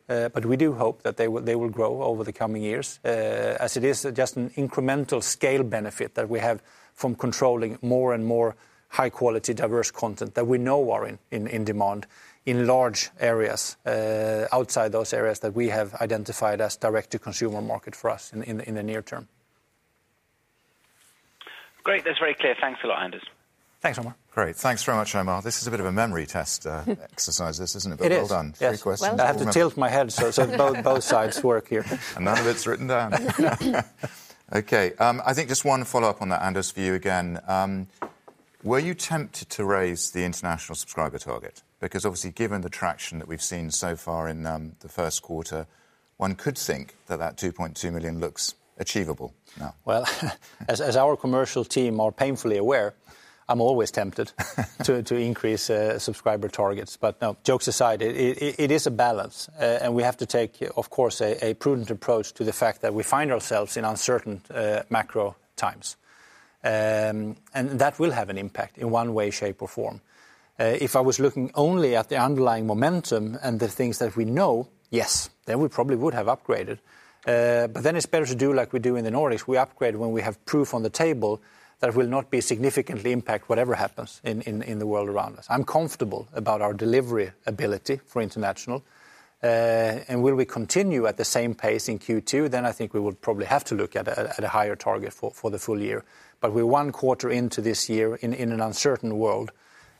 We do hope that they will grow over the coming years. As it is just an incremental scale benefit that we have from controlling more and more high quality diverse content that we know are in demand in large areas outside those areas that we have identified as direct to consumer market for us in the near term. Great. That's very clear. Thanks a lot, Anders. Thanks, Omar. Great. Thanks very much, Omar. This is a bit of a memory test, exercise, this, isn't it? It is. Well done. Yes. Three questions. I have to tilt my head so both sides work here. None of it's written down. Okay. I think just one follow-up on that, Anders, for you again. Were you tempted to raise the international subscriber target? Because obviously given the traction that we've seen so far in the Q1, one could think that 2.2 million looks achievable now. Well, as our commercial team are painfully aware, I'm always tempted to increase subscriber targets. No, jokes aside, it is a balance. We have to take of course a prudent approach to the fact that we find ourselves in uncertain macro times. That will have an impact in one way, shape, or form. If I was looking only at the underlying momentum and the things that we know, yes, then we probably would have upgraded. It's better to do like we do in the Nordics. We upgrade when we have proof on the table that it will not be significantly impact whatever happens in the world around us. I'm comfortable about our delivery ability for international. Will we continue at the same pace in Q2? I think we will probably have to look at a higher target for the full year. We're one quarter into this year in an uncertain world.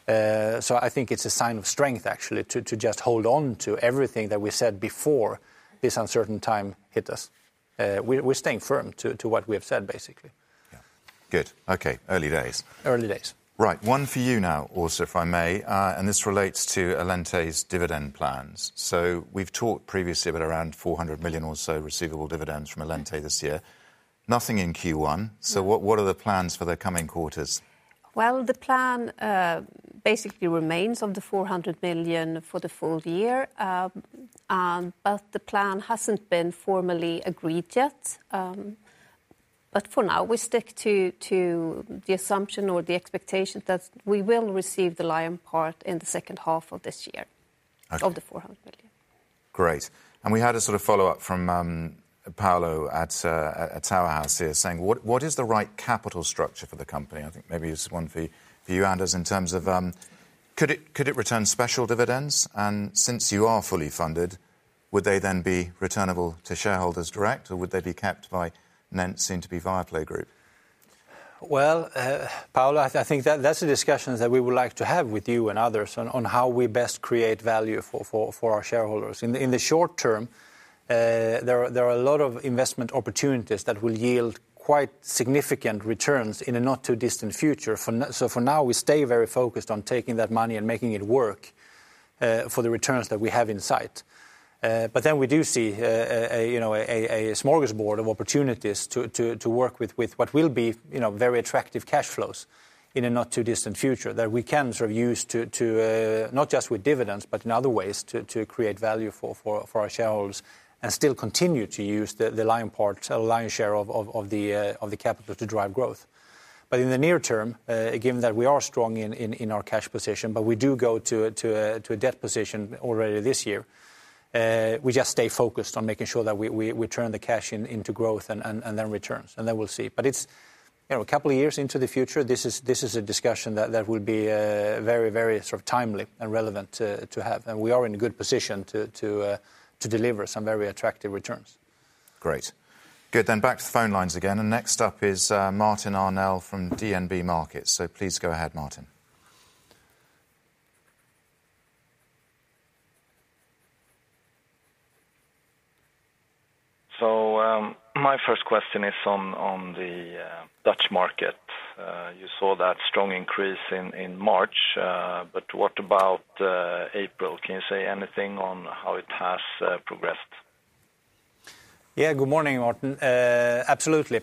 I think it's a sign of strength actually to just hold on to everything that we said before this uncertain time hit us. We're staying firm to what we have said, basically. Yeah. Good. Okay. Early days. Early days. Right. One for you now also, if I may, and this relates to Allente's dividend plans. We've talked previously about around 400 million or so receivable dividends from Allente this year. Nothing in Q1. What are the plans for the coming quarters? Well, the plan basically remains on 400 million for the full year. The plan hasn't been formally agreed yet. For now, we stick to the assumption or the expectation that we will receive the lion's share in the second half of this year. Okay of the 400 million. Great. We had a sort of follow-up from Paolo at Towerhouse here saying, what is the right capital structure for the company? I think maybe it's one for you, Anders, in terms of, could it return special dividends? Since you are fully funded, would they then be returnable to shareholders direct or would they be kept by then soon to be Viaplay Group? Paolo, I think that's the discussions that we would like to have with you and others on how we best create value for our shareholders. In the short term, there are a lot of investment opportunities that will yield quite significant returns in a not too distant future. For now, we stay very focused on taking that money and making it work for the returns that we have in sight. We do see you know, a smorgasbord of opportunities to work with what will be, you know, very attractive cash flows in a not too distant future that we can sort of use to not just with dividends, but in other ways to create value for our shareholders and still continue to use the lion's share of the capital to drive growth. In the near term, given that we are strong in our cash position, but we do go to a debt position already this year, we just stay focused on making sure that we turn the cash into growth and then returns, and then we'll see. It's, you know, a couple of years into the future, this is a discussion that would be very sort of timely and relevant to have. We are in a good position to deliver some very attractive returns. Great. Good. Back to the phone lines again. Next up is, Martin Arnell from DNB Markets. Please go ahead, Martin. My first question is on the Dutch market. You saw that strong increase in March, but what about April? Can you say anything on how it has progressed? Yeah. Good morning, Martin. Absolutely.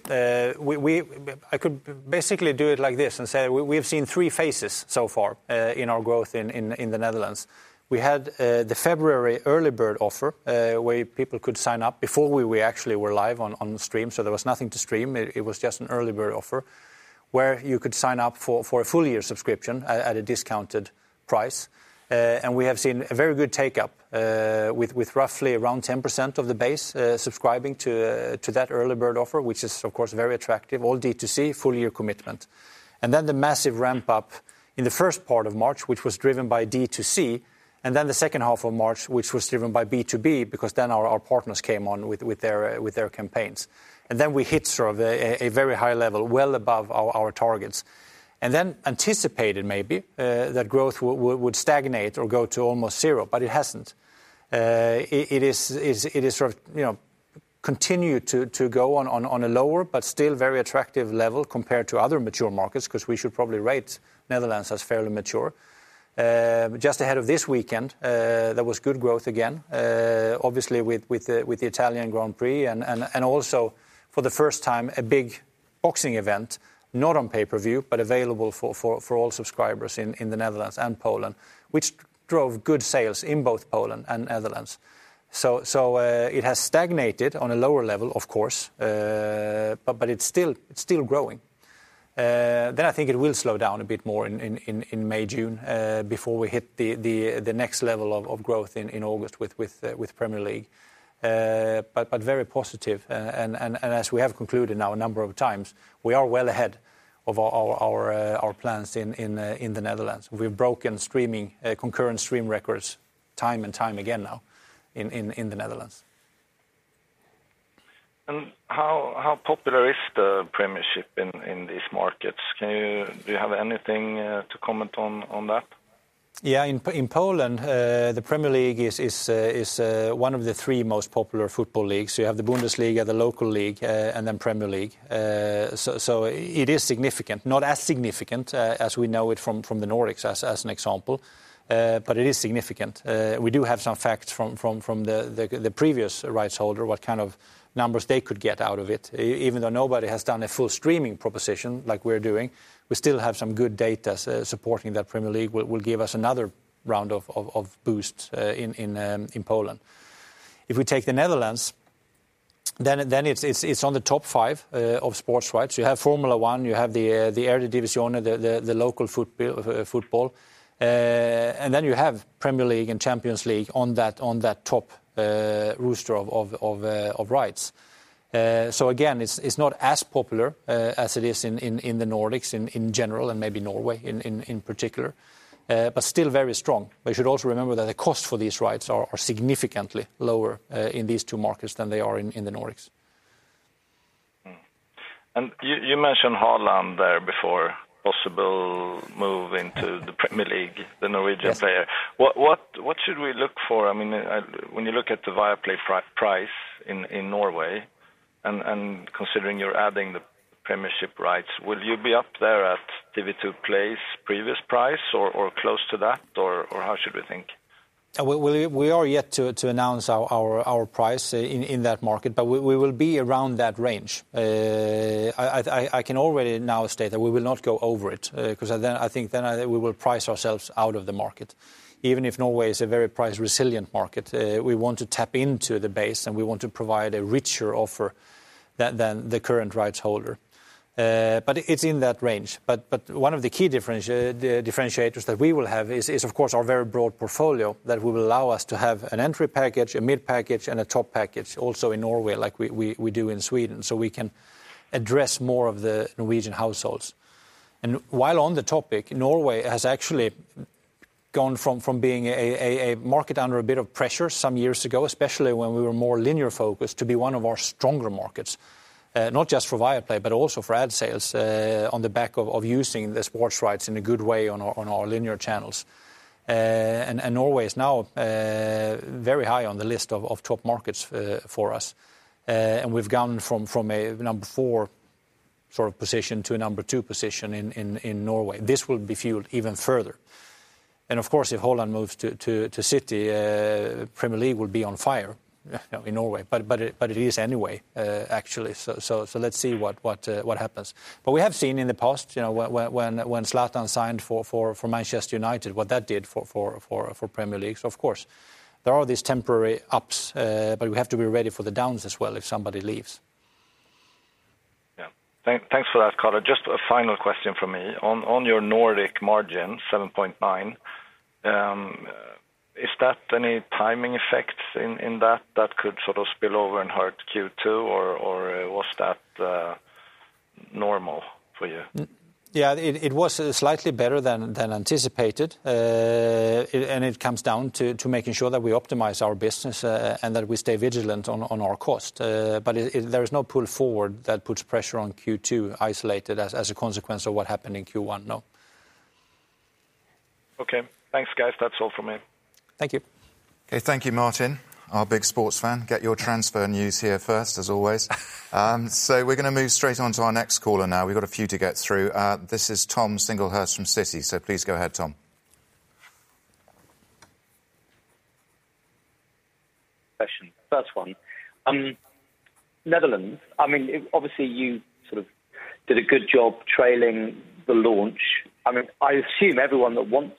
I could basically do it like this and say we've seen three phases so far in our growth in the Netherlands. We had the February early bird offer, where people could sign up before we actually were live on stream, so there was nothing to stream. It was just an early bird offer where you could sign up for a full year subscription at a discounted price. We have seen a very good take-up with roughly around 10% of the base subscribing to that early bird offer, which is of course very attractive, all D2C, full year commitment. The massive ramp-up in the first part of March, which was driven by D2C, and then the second half of March, which was driven by B2B because then our partners came on with their campaigns. We hit sort of a very high level, well above our targets. We anticipated maybe that growth would stagnate or go to almost zero, but it hasn't. It is sort of, you know, continue to go on a lower but still very attractive level compared to other mature markets, because we should probably rate Netherlands as fairly mature. Just ahead of this weekend, there was good growth again, obviously with the Italian Grand Prix and also for the first time a big boxing event, not on pay-per-view, but available for all subscribers in the Netherlands and Poland, which drove good sales in both Poland and the Netherlands. It has stagnated on a lower level, of course, but it's still growing. I think it will slow down a bit more in May, June, before we hit the next level of growth in August with Premier League. Very positive and as we have concluded a number of times, we are well ahead of our plans in the Netherlands. We've broken streaming concurrent streaming records time and time again now in the Netherlands. How popular is the Premier League in these markets? Do you have anything to comment on that? Yeah. In Poland, the Premier League is one of the three most popular football leagues. You have the Bundesliga, you have the local league, and then Premier League. It is significant. Not as significant as we know it from the Nordics as an example, but it is significant. We do have some facts from the previous rights holder, what kind of numbers they could get out of it. Even though nobody has done a full streaming proposition like we're doing, we still have some good data supporting that Premier League will give us another round of boosts in Poland. If we take the Netherlands, it is on the top five of sports rights. You have Formula 1, you have the Eredivisie, the local football, and then you have Premier League and Champions League on that top roster of rights. So again, it's not as popular as it is in the Nordics in particular, but still very strong. You should also remember that the cost for these rights are significantly lower in these two markets than they are in the Nordics. You mentioned Haaland there before, possible move into the Premier League, the Norwegian player. Yes. What should we look for? I mean, when you look at the Viaplay price in Norway and considering you're adding the Premiership rights, will you be up there at TV 2 Play's previous price or close to that, or how should we think? We are yet to announce our price in that market, but we will be around that range. I can already now state that we will not go over it, because then I think we will price ourselves out of the market. Even if Norway is a very price resilient market, we want to tap into the base, and we want to provide a richer offer than the current rights holder. It's in that range. One of the key differentiators that we will have is of course our very broad portfolio that will allow us to have an entry package, a mid-package, and a top package also in Norway like we do in Sweden. We can address more of the Norwegian households. While on the topic, Norway has actually gone from being a market under a bit of pressure some years ago, especially when we were more linear focused, to be one of our stronger markets, not just for Viaplay, but also for ad sales, on the back of using the sports rights in a good way on our linear channels. Norway is now very high on the list of top markets for us. We've gone from a number four sort of position to a number two position in Norway. This will be fueled even further. Of course, if Haaland moves to City, Premier League will be on fire in Norway. But it is anyway, actually. Let's see what happens. We have seen in the past, you know, when Zlatan signed for Manchester United, what that did for Premier League. Of course, there are these temporary ups, but we have to be ready for the downs as well if somebody leaves. Thanks for that, Carlo. Just a final question from me. On your Nordic margin, 7.9%, is that any timing effects in that that could sort of spill over into Q2 or was that normal for you? Yeah, it was slightly better than anticipated. It comes down to making sure that we optimize our business, and that we stay vigilant on our cost. There is no pull forward that puts pressure on Q2 isolated as a consequence of what happened in Q1, no. Okay. Thanks, guys. That's all from me. Thank you. Okay. Thank you, Martin, our big sports fan. Get your transfer news here first, as always. We're gonna move straight on to our next caller now. We've got a few to get through. This is Tom Singlehurst from Citi. Please go ahead, Tom. Question. First one, Netherlands, I mean, obviously, you sort of did a good job teasing the launch. I mean, I assume everyone that wants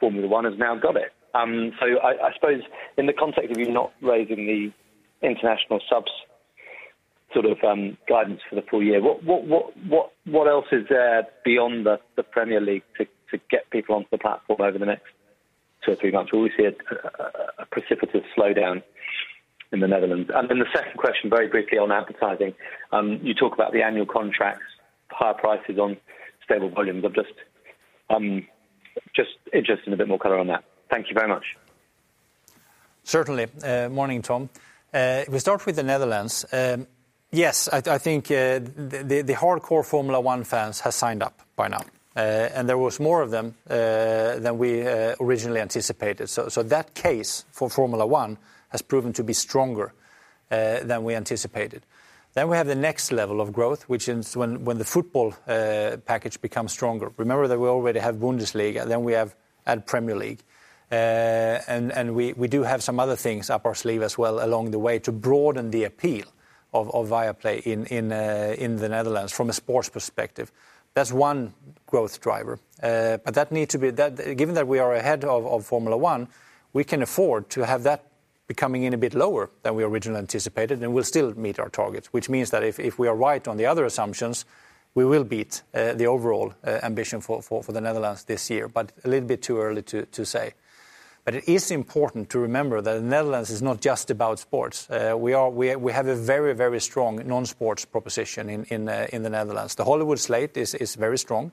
Formula 1 has now got it. So I suppose in the context of you not raising the international subs, sort of, guidance for the full year, what else is there beyond the Premier League to get people onto the platform over the next two or three months? Or will we see a precipitous slowdown in the Netherlands. The second question, very briefly on advertising, you talk about the annual contracts, higher prices on stable volumes. I'm just interested in a bit more color on that. Thank you very much. Certainly. Morning, Tom. We start with the Netherlands. I think the hardcore Formula 1 fans have signed up by now. There was more of them than we originally anticipated. That case for Formula 1 has proven to be stronger than we anticipated. We have the next level of growth, which is when the football package becomes stronger. Remember that we already have Bundesliga, then add Premier League. We do have some other things up our sleeve as well along the way to broaden the appeal of Viaplay in the Netherlands from a sports perspective. That's one growth driver. That need to be... That given that we are ahead of Formula 1, we can afford to have that coming in a bit lower than we originally anticipated, and we'll still meet our targets. Which means that if we are right on the other assumptions, we will beat the overall ambition for the Netherlands this year, but a little bit too early to say. It is important to remember that the Netherlands is not just about sports. We have a very, very strong non-sports proposition in the Netherlands. The Hollywood slate is very strong.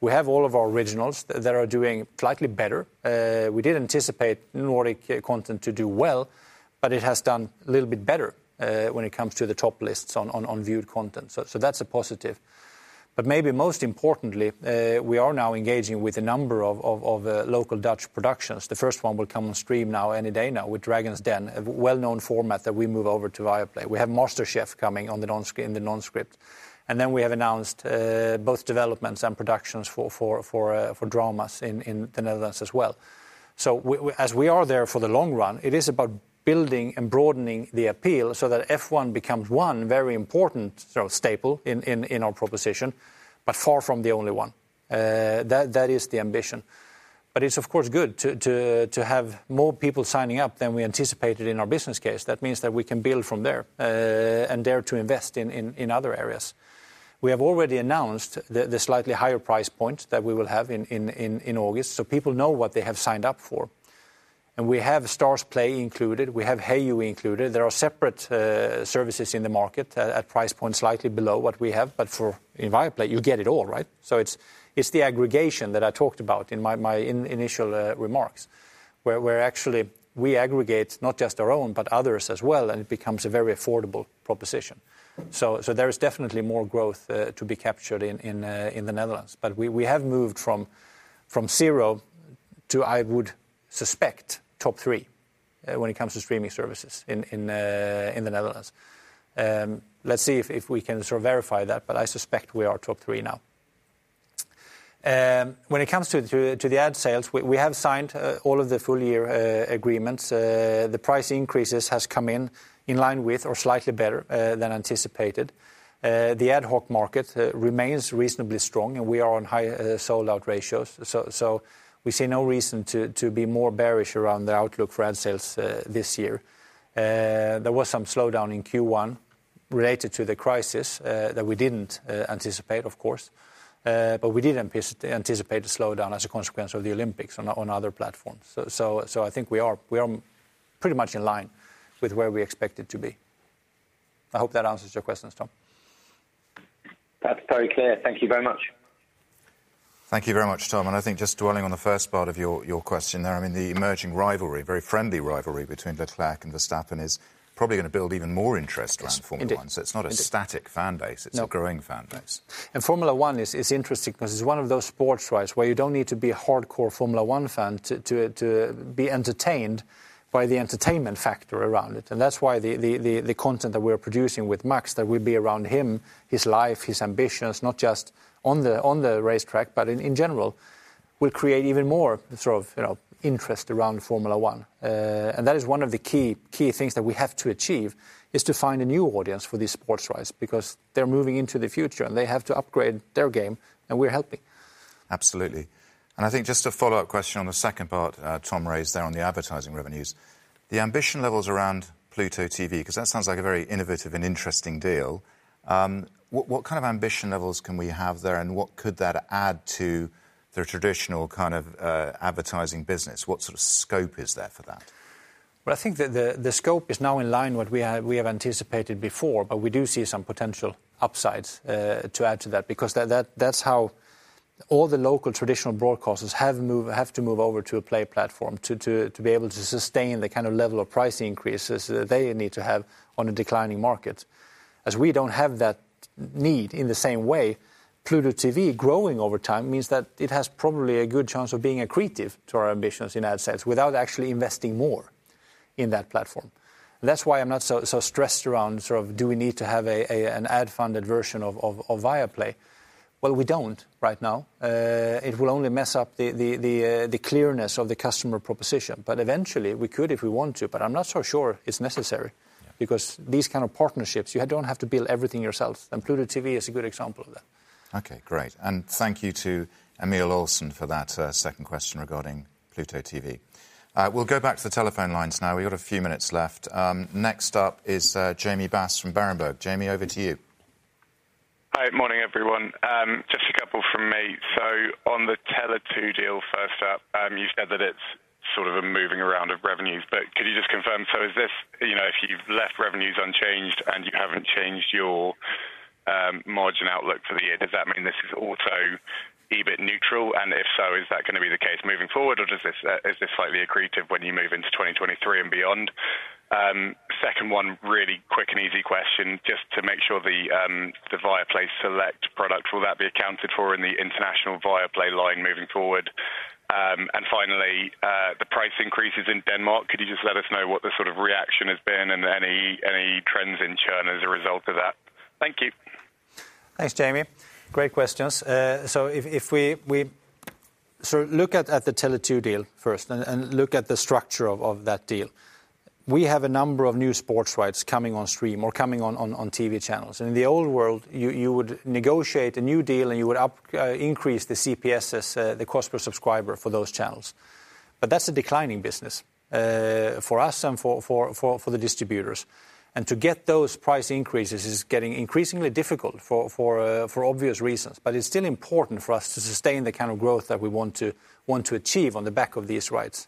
We have all of our originals that are doing slightly better. We did anticipate Nordic content to do well, but it has done a little bit better when it comes to the top lists on viewed content. That's a positive. Maybe most importantly, we are now engaging with a number of local Dutch productions. The first one will come on stream now, any day now with Dragons' Den, a well-known format that we move over to Viaplay. We have MasterChef coming on in the non-scripted. Then we have announced both developments and productions for dramas in the Netherlands as well. We, as we are there for the long run, it is about building and broadening the appeal so that F1 becomes one very important sort of staple in our proposition, but far from the only one. That is the ambition. It's of course good to have more people signing up than we anticipated in our business case. That means that we can build from there and dare to invest in other areas. We have already announced the slightly higher price point that we will have in August, so people know what they have signed up for. We have Starzplay included, we have Hayu included. There are separate services in the market at price point slightly below what we have, but in Viaplay, you get it all right. It's the aggregation that I talked about in my initial remarks, where actually we aggregate not just our own, but others as well, and it becomes a very affordable proposition. There is definitely more growth to be captured in the Netherlands. We have moved from zero to, I would suspect, top three when it comes to streaming services in the Netherlands. Let's see if we can sort of verify that, but I suspect we are top three now. When it comes to the ad sales, we have signed all of the full year agreements. The price increases has come in line with or slightly better than anticipated. The ad hoc market remains reasonably strong, and we are on high sold-out ratios. We see no reason to be more bearish around the outlook for ad sales this year. There was some slowdown in Q1 related to the crisis that we didn't anticipate, of course. We did anticipate a slowdown as a consequence of the Olympics on other platforms. I think we are pretty much in line with where we expect it to be. I hope that answers your questions, Tom. That's very clear. Thank you very much. Thank you very much, Tom. I think just dwelling on the first part of your question there, I mean, the emerging rivalry, very friendly rivalry between Leclerc and Verstappen is probably gonna build even more interest around Formula 1. Indeed. It's not a static fan base. No It's a growing fan base. Formula 1 is interesting because it's one of those sports rights where you don't need to be a hardcore Formula 1 fan to be entertained by the entertainment factor around it. That's why the content that we're producing with Max, that will be around him, his life, his ambitions, not just on the racetrack, but in general, will create even more the sort of, you know, interest around Formula 1. That is one of the key things that we have to achieve, is to find a new audience for these sports rights, because they're moving into the future, and they have to upgrade their game, and we're helping. Absolutely. I think just a follow-up question on the second part Tom raised there on the advertising revenues. The ambition levels around Pluto TV, 'cause that sounds like a very innovative and interesting deal. What kind of ambition levels can we have there, and what could that add to the traditional kind of advertising business? What sort of scope is there for that? Well, I think the scope is now in line with what we have anticipated before, but we do see some potential upsides to add to that. Because that's how all the local traditional broadcasters have to move over to a pay platform to be able to sustain the kind of level of price increases they need to have on a declining market. As we don't have that need in the same way, Pluto TV growing over time means that it has probably a good chance of being accretive to our ambitions in ad sales without actually investing more in that platform. That's why I'm not so stressed around sort of do we need to have an ad-funded version of Viaplay. Well, we don't right now. It will only mess up the clearness of the customer proposition. Eventually, we could if we want to, but I'm not so sure it's necessary. Yeah. Because these kind of partnerships, you don't have to build everything yourself, and Pluto TV is a good example of that. Okay, great. Thank you to Emil Olsson for that second question regarding Pluto TV. We'll go back to the telephone lines now. We've got a few minutes left. Next up is Jamie Bass from. Jamie, over to you. Hi. Morning, everyone. Just a couple from me. On the Tele2 deal, first up, you said that it's sort of a moving around of revenues. Could you just confirm, so is this, you know, if you've left revenues unchanged and you haven't changed your margin outlook for the year, does that mean this is also EBIT neutral? If so, is that gonna be the case moving forward or is this slightly accretive when you move into 2023 and beyond? Second one, really quick and easy question, just to make sure the Viaplay Select product, will that be accounted for in the international Viaplay line moving forward? Finally, the price increases in Denmark, could you just let us know what the sort of reaction has been and any trends in churn as a result of that? Thank you. Thanks, Jamie. Great questions. Look at the Tele2 deal first and look at the structure of that deal. We have a number of new sports rights coming on stream or coming on TV channels. In the old world, you would negotiate a new deal and you would increase the CPSs, the cost per subscriber for those channels. That's a declining business for us and for the distributors. To get those price increases is getting increasingly difficult for obvious reasons. It's still important for us to sustain the kind of growth that we want to achieve on the back of these rights.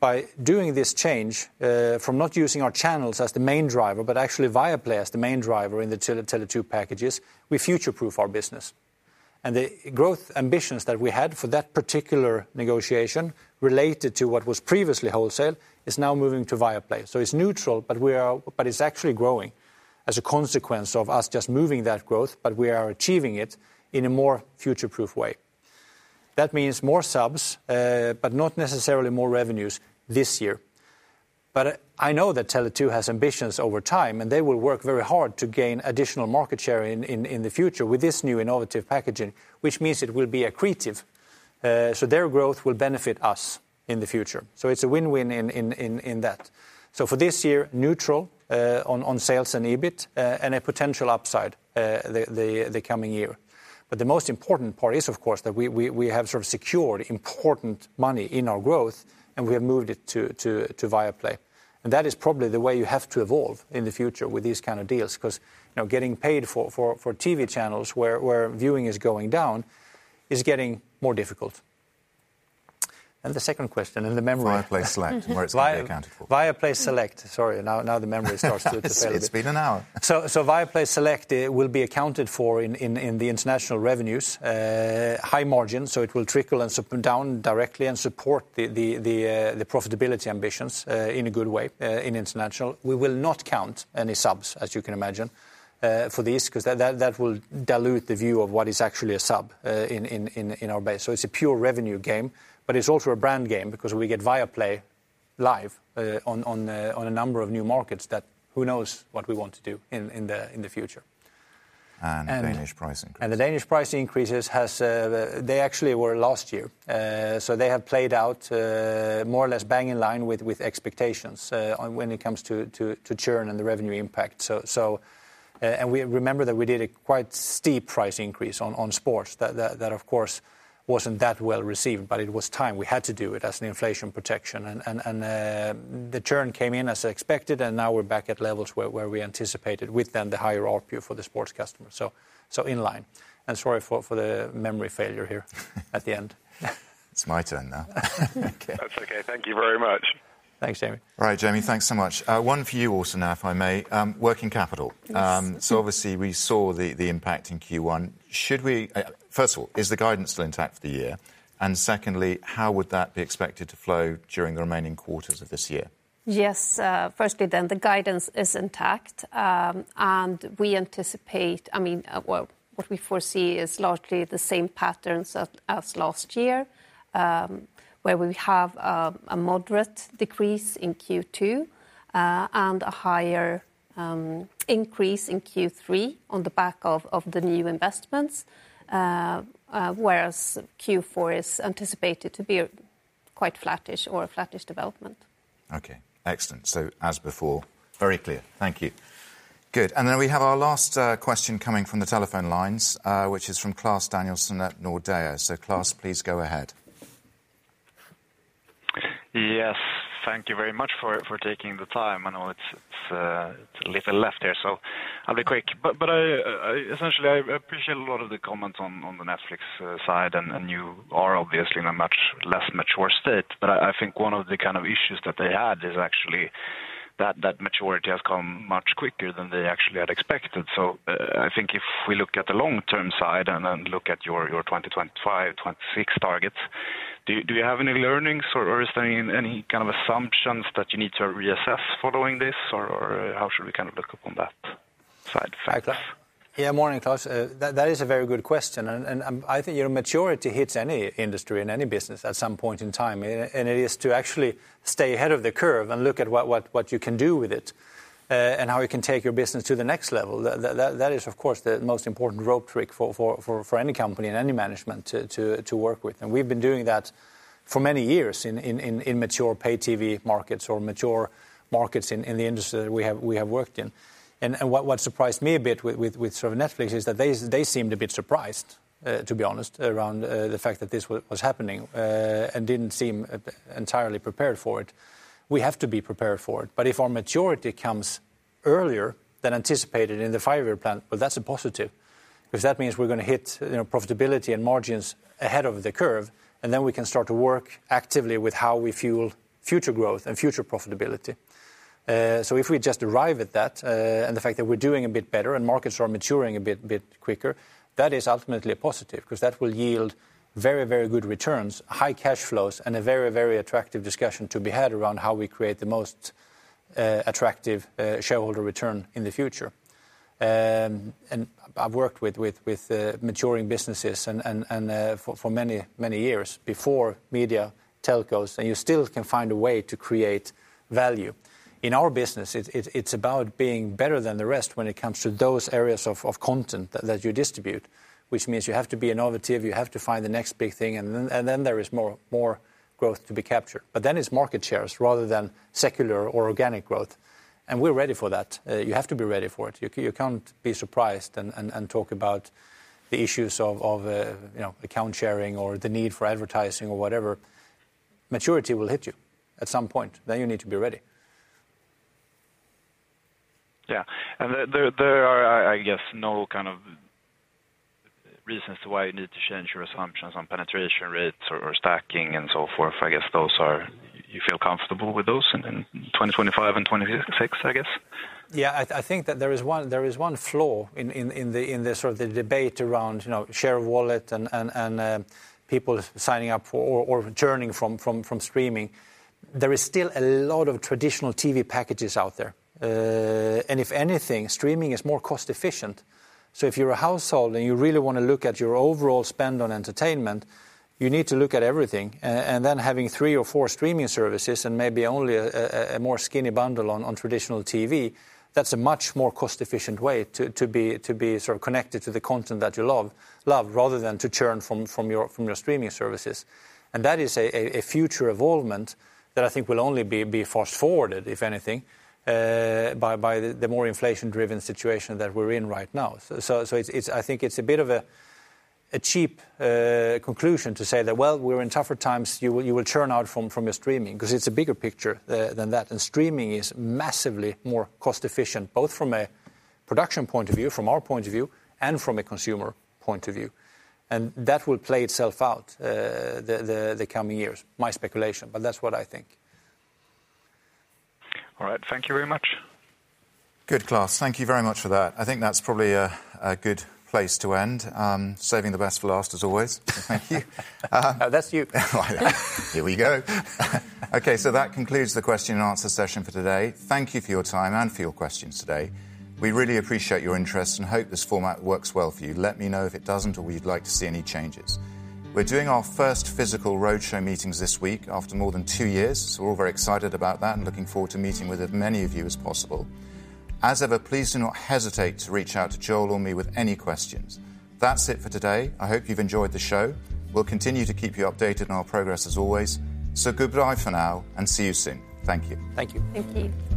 By doing this change from not using our channels as the main driver, but actually Viaplay as the main driver in the Tele2 packages, we future-proof our business. The growth ambitions that we had for that particular negotiation related to what was previously wholesale is now moving to Viaplay. It's neutral, but it's actually growing as a consequence of us just moving that growth, but we are achieving it in a more future-proof way. That means more subs, but not necessarily more revenues this year. I know that Tele2 has ambitions over time, and they will work very hard to gain additional market share in the future with this new innovative packaging, which means it will be accretive. Their growth will benefit us in the future. It's a win-win in that. For this year, neutral on sales and EBIT, and a potential upside the coming year. The most important part is, of course, that we have sort of secured important money in our growth, and we have moved it to Viaplay. That is probably the way you have to evolve in the future with these kind of deals, 'cause, you know, getting paid for TV channels where viewing is going down is getting more difficult. The second question and the memory- Viaplay Select and where it's gonna be accounted for. Viaplay Select. Sorry. Now the memory starts to fade a bit. It's been an hour. Viaplay Select, it will be accounted for in the international revenues. High margin, so it will trickle down directly and support the profitability ambitions in a good way in international. We will not count any subs, as you can imagine, for these, because that will dilute the view of what is actually a sub in our base. It's a pure revenue game, but it's also a brand game because we get Viaplay Live on a number of new markets that who knows what we want to do in the future. Danish price increases. The Danish price increases, they actually were last year. They have played out more or less bang on line with expectations on when it comes to churn and the revenue impact. We remember that we did a quite steep price increase on sports. That of course wasn't that well-received, but it was time. We had to do it as an inflation protection. The churn came in as expected, and now we're back at levels where we anticipated with the higher ARPU for the sports customers. In line. Sorry for the memory failure here at the end. It's my turn now. Okay. That's okay. Thank you very much. Thanks, Jamie. All right, Jamie, thanks so much. One for you also now, if I may. Working capital. Yes. Obviously we saw the impact in Q1. First of all, is the guidance still intact for the year? Secondly, how would that be expected to flow during the remaining quarters of this year? Yes. Firstly, the guidance is intact. We anticipate, I mean, well, what we foresee is largely the same patterns as last year, where we have a moderate decrease in Q2 and a higher increase in Q3 on the back of the new investments. Whereas Q4 is anticipated to be quite flattish or a flattish development. Okay. Excellent. As before. Very clear. Thank you. Good. We have our last question coming from the telephone lines, which is from Klas Danielsson at Nordea. Klas, please go ahead. Yes. Thank you very much for taking the time. I know there's little left here, so I'll be quick. I essentially appreciate a lot of the comments on the Netflix side, and you are obviously in a much less mature state. I think one of the kind of issues that they had is actually that maturity has come much quicker than they actually had expected. I think if we look at the long-term side and look at your 2025, 2026 targets, do you have any learnings or is there any kind of assumptions that you need to reassess following this, or how should we kind of look upon that side of things? Yeah. Morning, Klas. That is a very good question. I think, you know, maturity hits any industry in any business at some point in time. It is to actually stay ahead of the curve and look at what you can do with it, and how you can take your business to the next level. That is, of course, the most important right track for any company and any management to work with. We've been doing that for many years in mature pay TV markets or mature markets in the industry that we have worked in. What surprised me a bit with sort of Netflix is that they seemed a bit surprised, to be honest, around the fact that this was happening, and didn't seem entirely prepared for it. We have to be prepared for it. If our maturity comes earlier than anticipated in the five-year plan, well, that's a positive, because that means we're gonna hit, you know, profitability and margins ahead of the curve, and then we can start to work actively with how we fuel future growth and future profitability. If we just arrive at that, and the fact that we're doing a bit better and markets are maturing a bit quicker, that is ultimately a positive because that will yield very, very good returns, high cash flows, and a very, very attractive discussion to be had around how we create the most attractive shareholder return in the future. I've worked with maturing businesses and for many years before media telcos, and you still can find a way to create value. In our business, it's about being better than the rest when it comes to those areas of content that you distribute, which means you have to be innovative, you have to find the next big thing, and then there is more growth to be captured. It's market shares rather than secular or organic growth, and we're ready for that. You have to be ready for it. You can't be surprised and talk about the issues of, you know, account sharing or the need for advertising or whatever. Maturity will hit you at some point. You need to be ready. Yeah. There are, I guess, no kind of reasons to why you need to change your assumptions on penetration rates or stacking and so forth. I guess those are. You feel comfortable with those in 2025 and 2026, I guess? Yeah. I think that there is one flaw in the sort of debate around, you know, share of wallet and people signing up for or churning from streaming. There is still a lot of traditional TV packages out there. If anything, streaming is more cost efficient. If you're a household and you really wanna look at your overall spend on entertainment, you need to look at everything. Having three or four streaming services and maybe only a more skinny bundle on traditional TV, that's a much more cost-efficient way to be sort of connected to the content that you love rather than to churn from your streaming services. That is a future evolvement that I think will only be fast-forwarded, if anything, by the more inflation-driven situation that we're in right now. It's, I think it's a bit of a cheap conclusion to say that "Well, we're in tougher times, you will churn out from your streaming," because it's a bigger picture than that. Streaming is massively more cost efficient, both from a production point of view, from our point of view, and from a consumer point of view. That will play itself out the coming years. My speculation, but that's what I think. All right. Thank you very much. Good, Klas. Thank you very much for that. I think that's probably a good place to end. Saving the best for last as always. Thank you. That's you. All right. Here we go. Okay. That concludes the question-and-answer session for today. Thank you for your time and for your questions today. We really appreciate your interest and hope this format works well for you. Let me know if it doesn't or you'd like to see any changes. We're doing our first physical roadshow meetings this week after more than two years. We're all very excited about that and looking forward to meeting with as many of you as possible. As ever, please do not hesitate to reach out to Joel or me with any questions. That's it for today. I hope you've enjoyed the show. We'll continue to keep you updated on our progress as always. Goodbye for now and see you soon. Thank you. Thank you. Thank you.